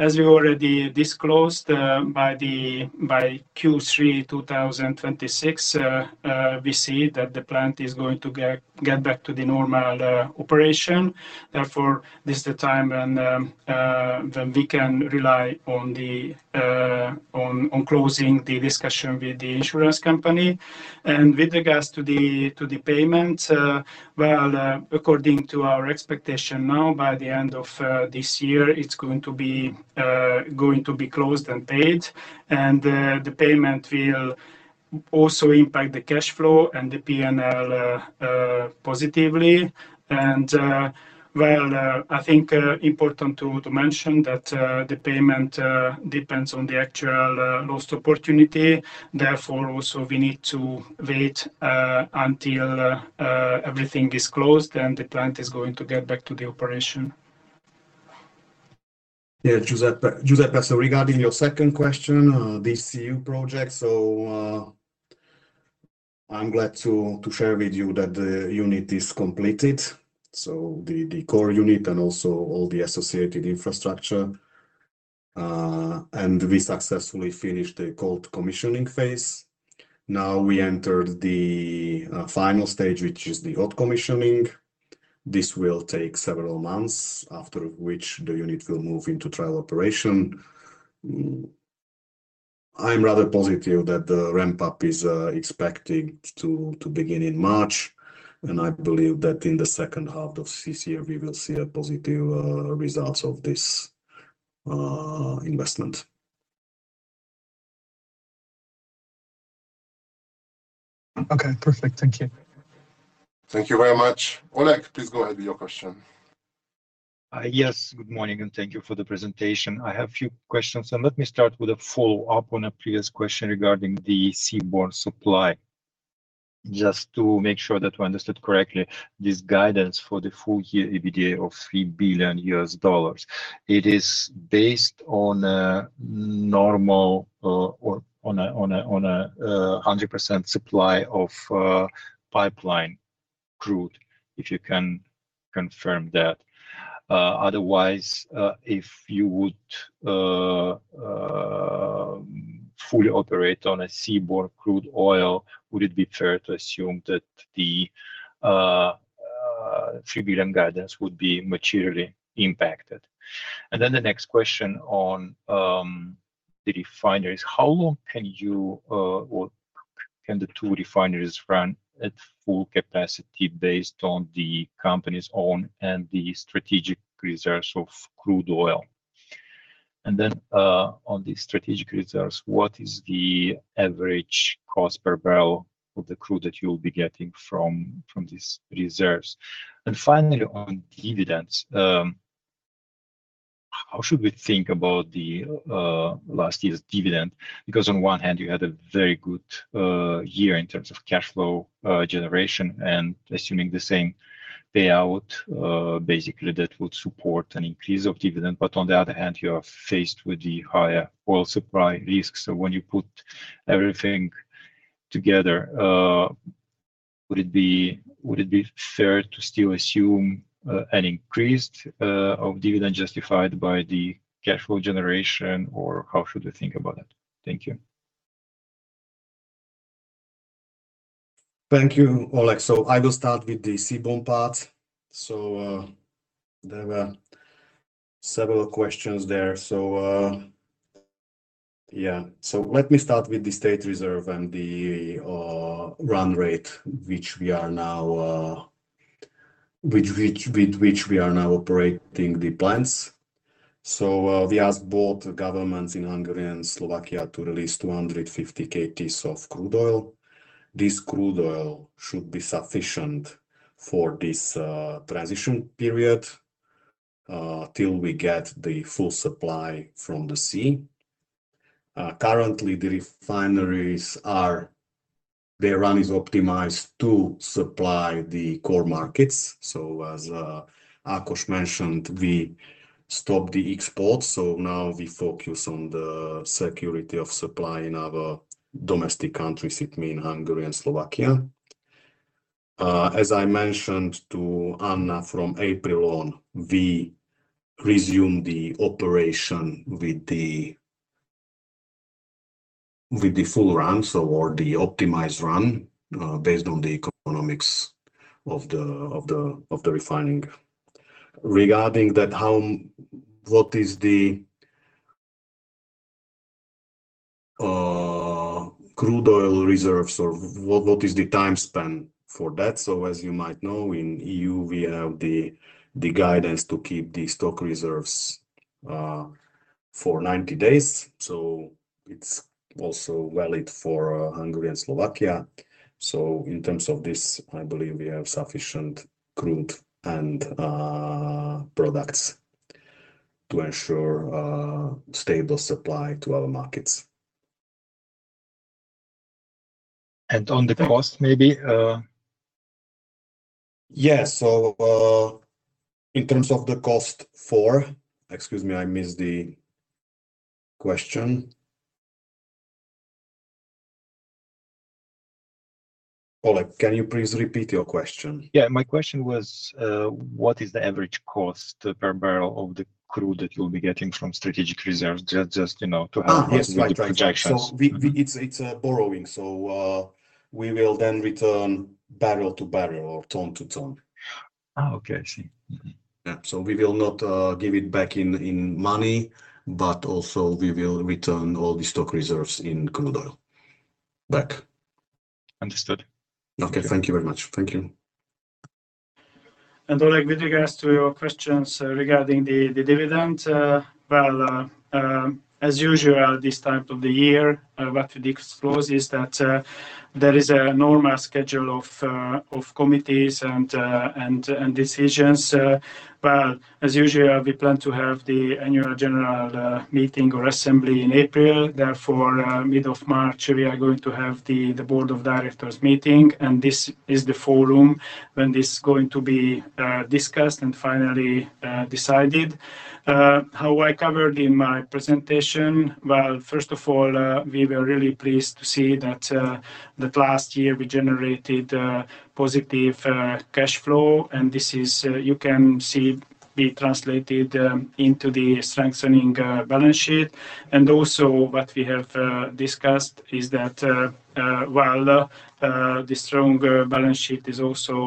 as we already disclosed, by Q3 2026, we see that the plant is going to get back to the normal operation. Therefore, this is the time when we can rely on closing the discussion with the insurance company. And with regards to the payment, well, according to our expectation now, by the end of this year, it's going to be closed and paid, and the payment will also impact the cash flow and the P&L positively. And, well, I think important to mention that the payment depends on the actual lost opportunity. Therefore, also, we need to wait until everything is closed, and the plant is going to get back to the operation. Yeah, Giuseppe. Giuseppe, so regarding your second question, the CDU project, so I'm glad to share with you that the unit is completed, so the core unit and also all the associated infrastructure. And we successfully finished the cold commissioning phase. Now we entered the final stage, which is the hot commissioning. This will take several months, after which the unit will move into trial operation. I'm rather positive that the ramp-up is expecting to begin in March, and I believe that in the second half of this year, we will see a positive results of this investment. Okay, perfect. Thank you. Thank you very much. Oleg, please go ahead with your question. Yes. Good morning, and thank you for the presentation. I have a few questions, let me start with a follow-up on a previous question regarding the seaborne supply. Just to make sure that we understood correctly, this guidance for the full year EBITDA of $3 billion, it is based on a normal, or on a 100% supply of pipeline crude, if you can confirm that. Otherwise, if you would fully operate on a seaborne crude oil, would it be fair to assume that the $3 billion guidance would be materially impacted? The next question on the refineries: How long can you, or can the two refineries run at full capacity based on the company's own and the strategic reserves of crude oil? And then, on the strategic reserves, what is the average cost per barrel of the crude that you'll be getting from these reserves? And finally, on dividends, how should we think about last year's dividend? Because on one hand, you had a very good year in terms of cash flow generation, and assuming the same payout, basically, that would support an increase of dividend. But on the other hand, you are faced with the higher oil supply risks. So when you put everything together, would it be fair to still assume an increase of dividend justified by the cash flow generation, or how should we think about that? Thank you. Thank you, Oleg. So I will start with the seaborne part. So, there were several questions there. So, yeah, so let me start with the state reserve and the run rate, which we are now operating the plants. So, we asked both governments in Hungary and Slovakia to release 250 kts of crude oil. This crude oil should be sufficient for this transition period till we get the full supply from the sea. Currently, the refineries are, their run is optimized to supply the core markets. So as Ákos mentioned, we stopped the export, so now we focus on the security of supply in our domestic countries, I mean Hungary and Slovakia. As I mentioned to Anna, from April on, we resumed the operation with the full run, or the optimized run, based on the economics of the refining. Regarding that, what is the crude oil reserves or what is the time span for that? As you might know, in the EU, we have the guidance to keep the stock reserves for 90 days, so it's also valid for Hungary and Slovakia. In terms of this, I believe we have sufficient crude and products to ensure a stable supply to our markets. On the cost, maybe, Yeah. So, in terms of the cost for? Excuse me, I missed the question. Oleg, can you please repeat your question? Yeah, my question was, what is the average cost per barrel of the crude that you'll be getting from strategic reserves, just, you know, to have- Ah, yes. - projections? It's a borrowing, so we will then return barrel to barrel or ton to ton. Ah, okay. I see. Mm-hmm. Yeah. So we will not give it back in money, but also we will return all the stock reserves in crude oil back. Understood. Okay. Thank you very much. Thank you. Oleg, with regards to your questions regarding the dividend, well, as usual, this time of the year, what we disclose is that there is a normal schedule of committees and decisions. Well, as usual, we plan to have the annual general meeting or assembly in April. Therefore, mid of March, we are going to have the board of directors meeting, and this is the forum when this is going to be discussed and finally decided. How I covered in my presentation, well, first of all, we were really pleased to see that last year we generated positive cash flow, and this is, you can see we translated into the strengthening balance sheet. What we have discussed is that the stronger balance sheet also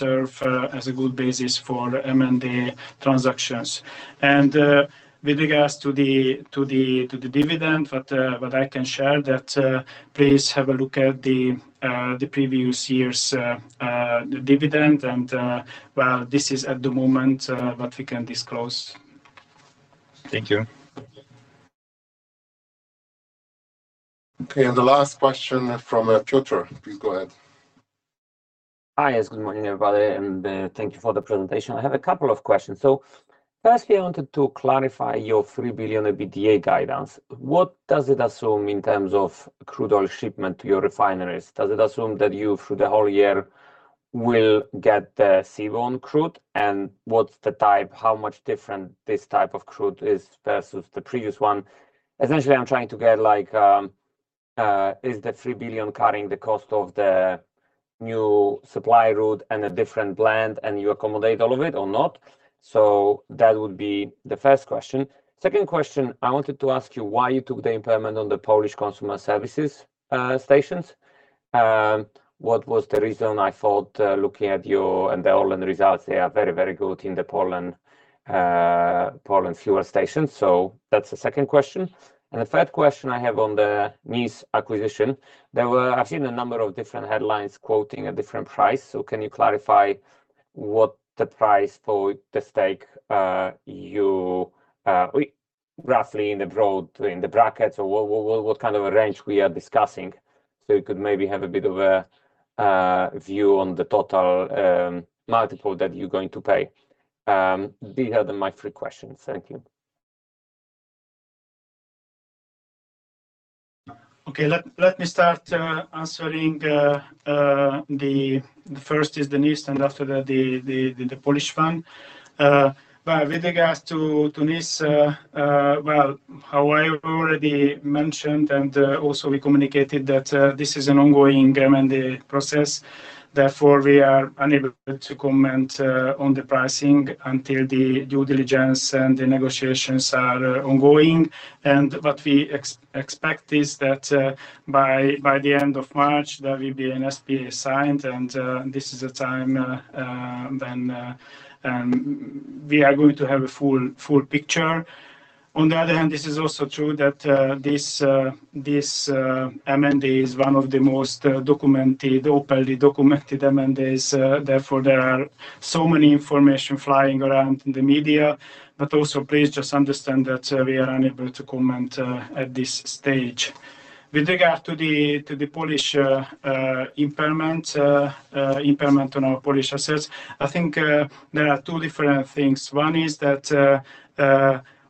serves as a good basis for M&A transactions. With regards to the dividend, what I can share is that, please have a look at the previous year's dividend. This is at the moment what we can disclose. Thank you. Okay, and the last question from, Piotr. Please go ahead. Hi, yes, good morning, everybody, and thank you for the presentation. I have a couple of questions. So firstly, I wanted to clarify your $3 billion EBITDA guidance. What does it assume in terms of crude oil shipment to your refineries? Does it assume that you, through the whole year, will get the seaborne crude? And what's the type? How much different this type of crude is versus the previous one? Essentially, I'm trying to get like is the $3 billion cutting the cost of the new supply route and a different blend, and you accommodate all of it or not? So that would be the first question. Second question, I wanted to ask you why you took the impairment on the Polish Consumer Services stations. What was the reason? I thought, looking at your underlying results, they are very, very good in the Poland, Poland fuel stations. That's the second question. The third question I have on the NIS acquisition, I've seen a number of different headlines quoting a different price. Can you clarify what the price for the stake, you, roughly in the broad, in the brackets, or what kind of a range we are discussing, so we could maybe have a bit of a view on the total multiple that you're going to pay? These are my three questions. Thank you. Okay. Let me start answering the first is the NIS, and after that, the Polish one. But with regards to NIS, well, as I already mentioned, and also we communicated that this is an ongoing M&A process. Therefore, we are unable to comment on the pricing until the due diligence and the negotiations are ongoing. And what we expect is that by the end of March, there will be an SPA signed, and this is a time when we are going to have a full picture. On the other hand, this is also true that this M&A is one of the most documented, openly documented M&As. Therefore, there are so many information flying around in the media, but also, please just understand that, we are unable to comment, at this stage. With regard to the Polish impairment on our Polish assets, I think, there are two different things. One is that,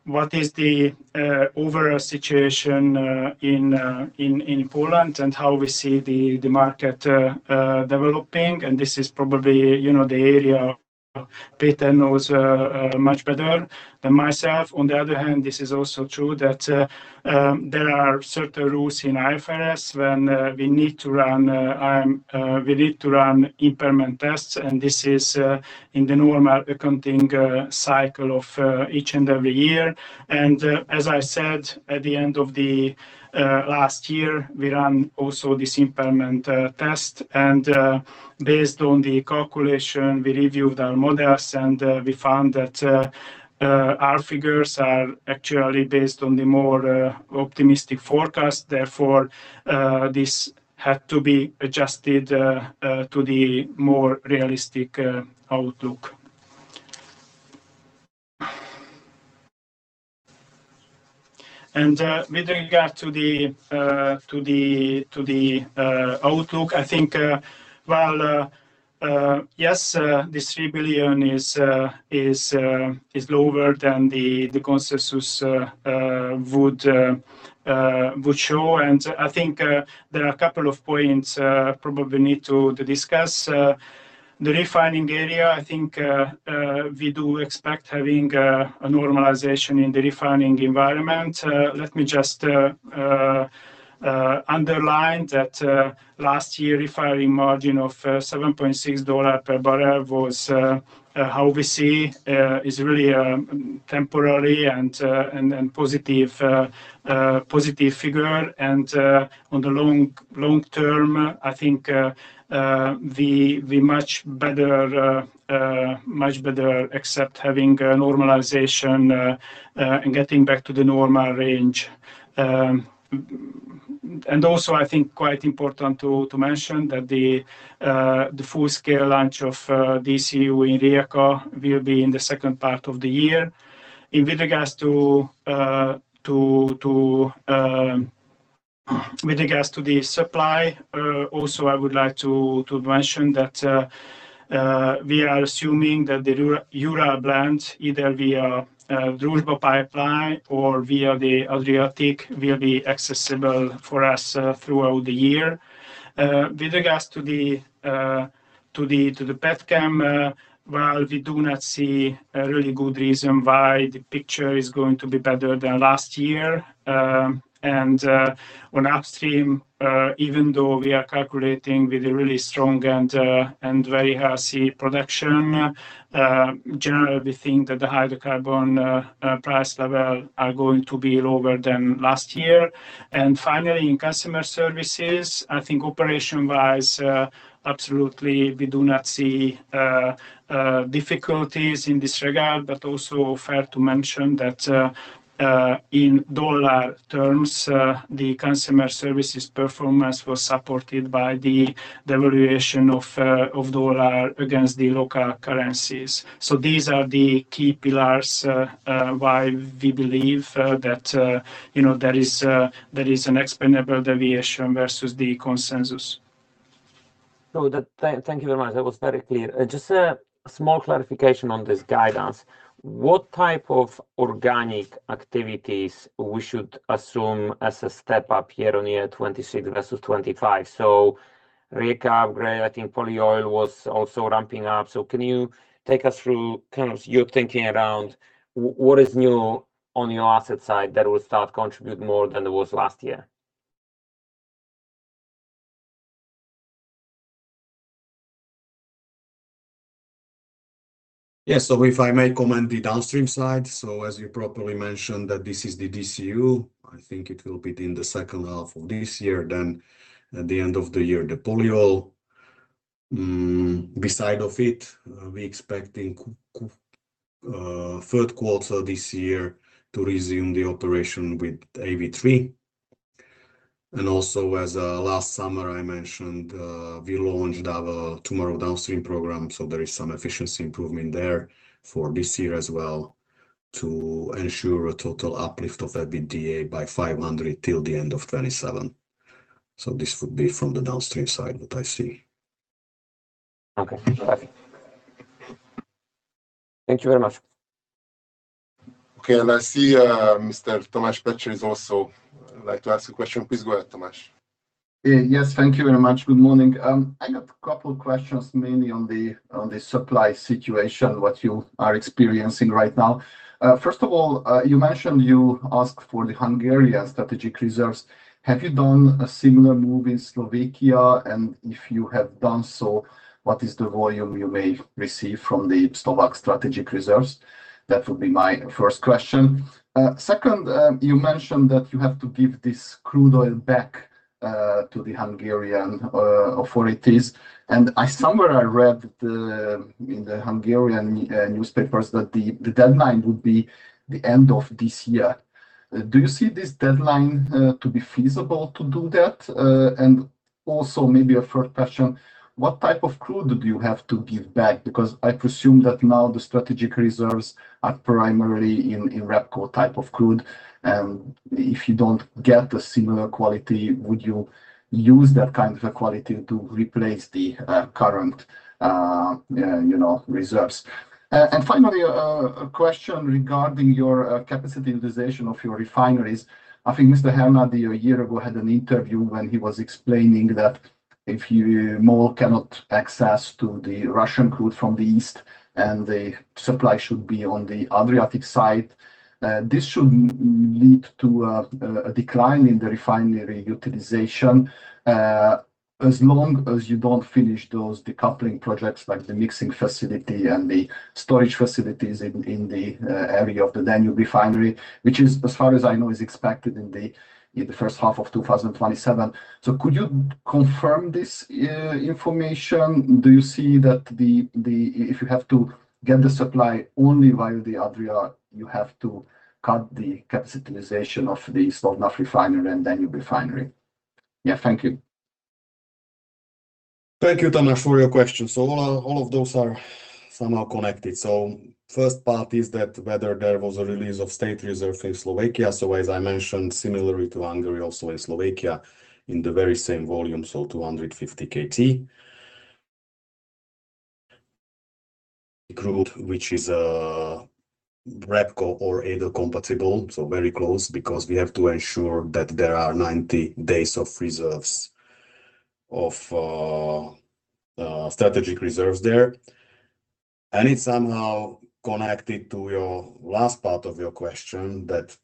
what is the overall situation in Poland and how we see the market developing, and this is probably, you know, the area Péter knows, much better than myself. On the other hand, this is also true that, there are certain rules in IFRS when we need to run impairment tests, and this is in the normal accounting cycle of each and every year. As I said, at the end of last year, we run also this impairment test, and based on the calculation, we reviewed our models, and we found that our figures are actually based on the more optimistic forecast. Therefore, this had to be adjusted to the more realistic outlook. With regard to the outlook, I think, well, yes, this $3 billion is lower than the consensus would show, and I think there are a couple of points probably need to discuss. The refining area, I think, we do expect having a normalization in the refining environment. Let me just underline that last year, refining margin of $7.6 per barrel was how we see is really temporary and positive, positive figure. On the long term, I think we much better, much better accept having a normalization and getting back to the normal range. I think quite important to mention that the full-scale launch of DCU in Rijeka will be in the second part of the year. With regards to the supply, I would like to mention that we are assuming that the Ural blend, either via Druzhba pipeline or via the Adriatic, will be accessible for us throughout the year. With regards to the Petchem, well, we do not see a really good reason why the picture is going to be better than last year. On Upstream, even though we are calculating with a really strong and very healthy production, generally, we think that the hydrocarbon price level are going to be lower than last year. And finally, in Consumer Services, I think operation-wise, absolutely, we do not see difficulties in this regard, but also fair to mention that, in dollar terms, the Consumer Services performance was supported by the devaluation of dollar against the local currencies. So these are the key pillars, why we believe that, you know, there is an explainable deviation versus the consensus. So thank you very much. That was very clear. Just a small clarification on this guidance. What type of organic activities we should assume as a step-up year-on-year 2026 versus 2025? So Rijeka upgrade, I think polyol was also ramping up. So can you take us through kind of your thinking around what is new on your asset side that will start contribute more than it was last year? Yeah, so if I may comment the Downstream side. So as you properly mentioned, that this is the DCU, I think it will be in the second half of this year, then at the end of the year, the polyol. Beside of it, we expecting third quarter this year to resume the operation with AV3. And also, as last summer I mentioned, we launched our Tomorrow Downstream program, so there is some efficiency improvement there for this year as well, to ensure a total uplift of EBITDA by $500 million till the end of 2027. So this would be from the Downstream side, what I see. Okay, perfect. Thank you very much. Okay, and I see, Mr. Tamás Pletser is also like to ask a question. Please go ahead, Tamás. Yeah. Yes, thank you very much. Good morning. I got a couple questions, mainly on the supply situation, what you are experiencing right now. First of all, you mentioned you asked for the Hungarian strategic reserves. Have you done a similar move in Slovakia? If you have done so, what is the volume you may receive from the Slovak strategic reserves? That would be my first question. Second, you mentioned that you have to give this crude oil back to the Hungarian authorities, and I-- somewhere, I read in the Hungarian newspapers that the deadline would be the end of this year. Do you see this deadline to be feasible to do that? Also, maybe a third question: What type of crude do you have to give back? Because I presume that now the strategic reserves are primarily in, in REBCO type of crude, and if you don't get a similar quality, would you use that kind of a quality to replace the current, you know, reserves? And finally, a question regarding your capacity utilization of your refineries. I think Mr. Hernádi, a year ago, had an interview where he was explaining that if you cannot access the Russian crude from the east, and the supply should be on the Adriatic side, this should lead to a decline in the refinery utilization, as long as you don't finish those decoupling projects, like the mixing facility and the storage facilities in the area of the Danube Refinery, which is, as far as I know, is expected in the first half of 2027. Could you confirm this information? Do you see that if you have to get the supply only via the Adria, you have to cut the capacity utilization of the Slovnaft refinery and Danube Refinery? Yeah. Thank you. Thank you, Tamás, for your questions. All of those are somehow connected. First part is that whether there was a release of state reserve in Slovakia. As I mentioned, similarly to Hungary, also in Slovakia, in the very same volume, 250 kt. Crude, which is REBCO or Adria compatible, so very close, because we have to ensure that there are 90 days of reserves, of strategic reserves there. It's somehow connected to your last part of your question, that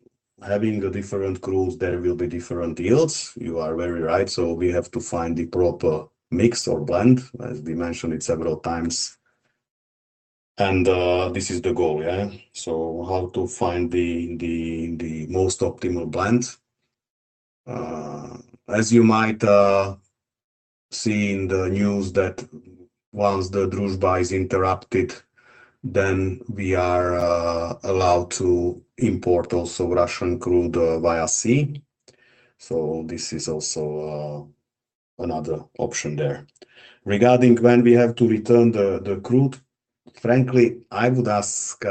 having the different crudes, there will be different yields. You are very right. We have to find the proper mix or blend, as we mentioned it several times, and this is the goal, yeah? How to find the most optimal blend. As you might... Seeing the news that once the Druzhba is interrupted, then we are allowed to import also Russian crude via sea. So this is also another option there. Regarding when we have to return the crude, frankly, I would ask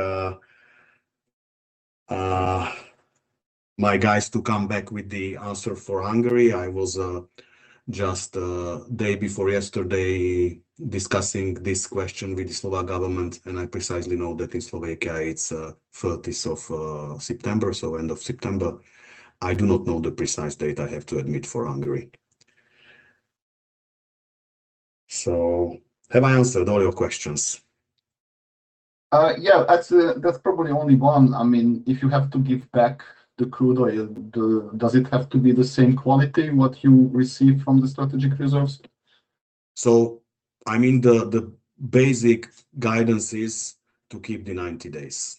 my guys to come back with the answer for Hungary. I was just day before yesterday discussing this question with the Slovak government, and I precisely know that in Slovakia it's 30th of September, so end of September. I do not know the precise date, I have to admit, for Hungary. So have I answered all your questions? Yeah, that's probably only one. I mean, if you have to give back the crude oil, does it have to be the same quality what you received from the strategic reserves? I mean, the basic guidance is to keep the 90 days.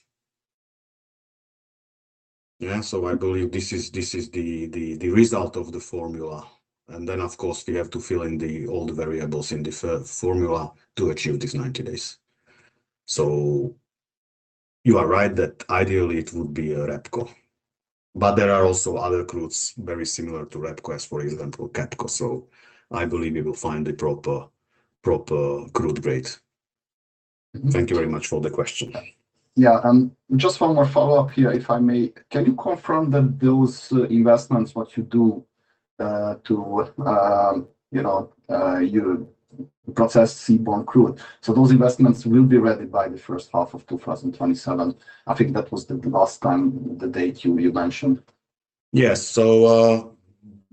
Yeah, so I believe this is the result of the formula. And then, of course, we have to fill in all the variables in the formula to achieve these 90 days. So you are right that ideally it would be a REBCO, but there are also other crudes very similar to REBCO, for example, CPC. So I believe we will find the proper crude grade. Mm-hmm. Thank you very much for the question. Yeah, and just one more follow-up here, if I may. Can you confirm that those investments, what you do, to, you know, you process seaborne crude, so those investments will be ready by the first half of 2027? I think that was the last time, the date you mentioned. Yes. So,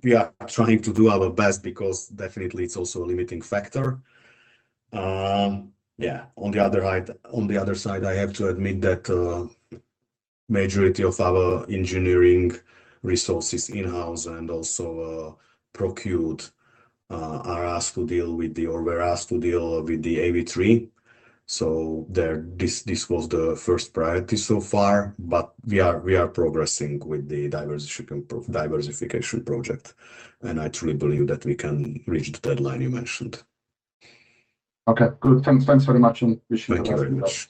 we are trying to do our best, because definitely it's also a limiting factor. Yeah, on the other hand, I have to admit that majority of our engineering resources in-house and also procured are asked to deal with the AV3 or were asked to deal with the AV3. So there, this was the first priority so far, but we are progressing with the diversification project, and I truly believe that we can reach the deadline you mentioned. Okay, good. Thanks, thanks very much, and wish you the best of luck. Thank you very much.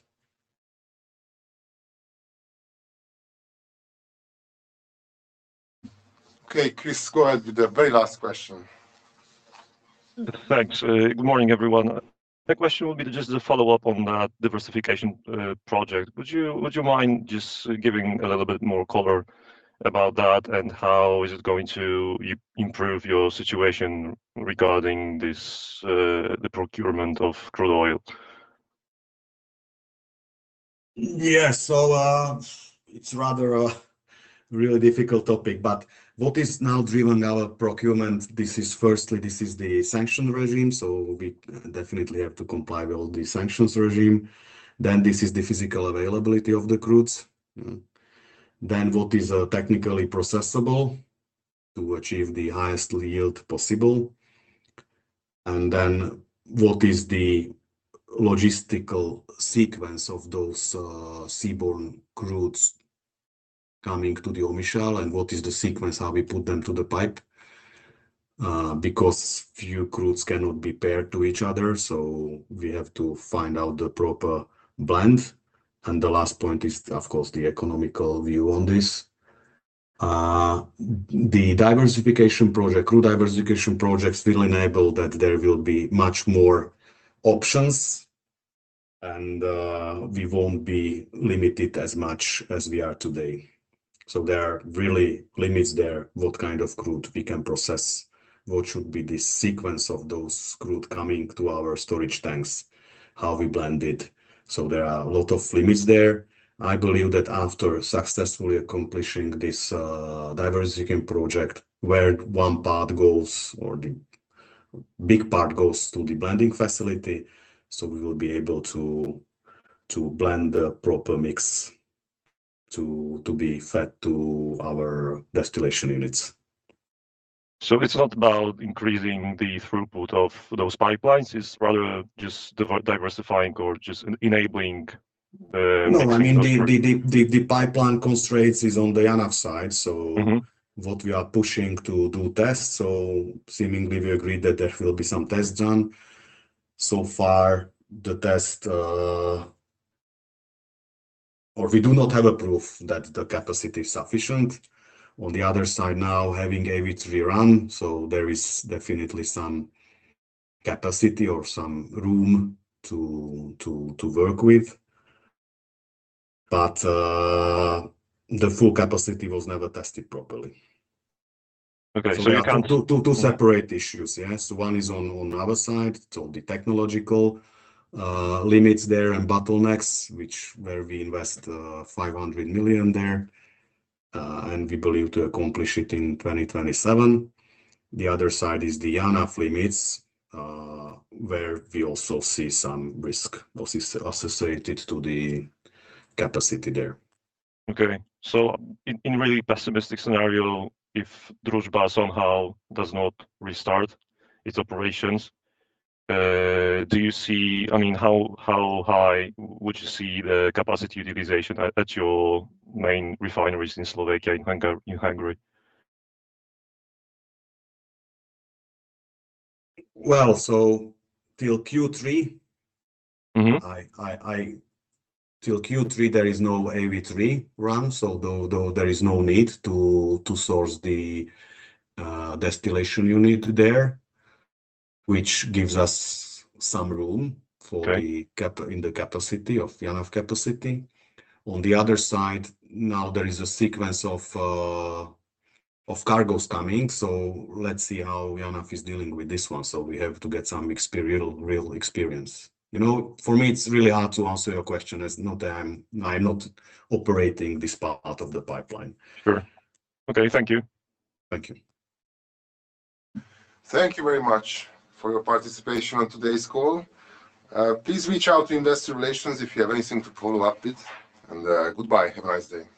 Okay, Chris, go ahead with the very last question. Thanks. Good morning, everyone. The question will be just a follow-up on that diversification project. Would you mind just giving a little bit more color about that, and how is it going to improve your situation regarding this, the procurement of crude oil? Yeah. So, it's rather a really difficult topic, but what is now driving our procurement, this is firstly, this is the sanction regime, so we definitely have to comply with all the sanctions regime. Then this is the physical availability of the crudes. Then what is technically processable to achieve the highest yield possible, and then what is the logistical sequence of those seaborne crudes coming to the Omišalj, and what is the sequence, how we put them to the pipe? Because few crudes cannot be paired to each other, so we have to find out the proper blend. And the last point is, of course, the economical view on this. The diversification project, crude diversification projects will enable that there will be much more options, and we won't be limited as much as we are today. There are really limits there, what kind of crude we can process, what should be the sequence of those crude coming to our storage tanks, how we blend it. There are a lot of limits there. I believe that after successfully accomplishing this diversification project, where one part goes, or the big part goes to the blending facility, we will be able to blend the proper mix to be fed to our distillation units. So it's not about increasing the throughput of those pipelines, it's rather just diversifying or just enabling the- No, I mean, the pipeline constraints is on the other side, so what we are pushing to do tests. So seemingly we agreed that there will be some tests done. So far, the test, or we do not have a proof that the capacity is sufficient. On the other side now, having AV3 run, so there is definitely some capacity or some room to work with, but, the full capacity was never tested properly. Okay, so you can- So there are two separate issues, yes? One is on our side, so the technological limits there and bottlenecks, which where we invest $500 million there, and we believe to accomplish it in 2027. The other side is the JANAF limits, where we also see some risk associated to the capacity there. Okay. So in a really pessimistic scenario, if Druzhba somehow does not restart its operations, do you see... I mean, how high would you see the capacity utilization at your main refineries in Slovakia and in Hungary? Well, so till Q3- Mm-hmm... till Q3, there is no AV3 run, so though there is no need to source the distillation unit there, which gives us some room. Okay... for the capacity of JANAF capacity. On the other side, now there is a sequence of, of cargoes coming, so let's see how JANAF is dealing with this one. So we have to get some real experience. You know, for me, it's really hard to answer your question. It's not that I'm not operating this part of the pipeline. Sure. Okay, thank you. Thank you. Thank you very much for your participation on today's call. Please reach out to Investor Relations if you have anything to follow up with, and goodbye. Have a nice day.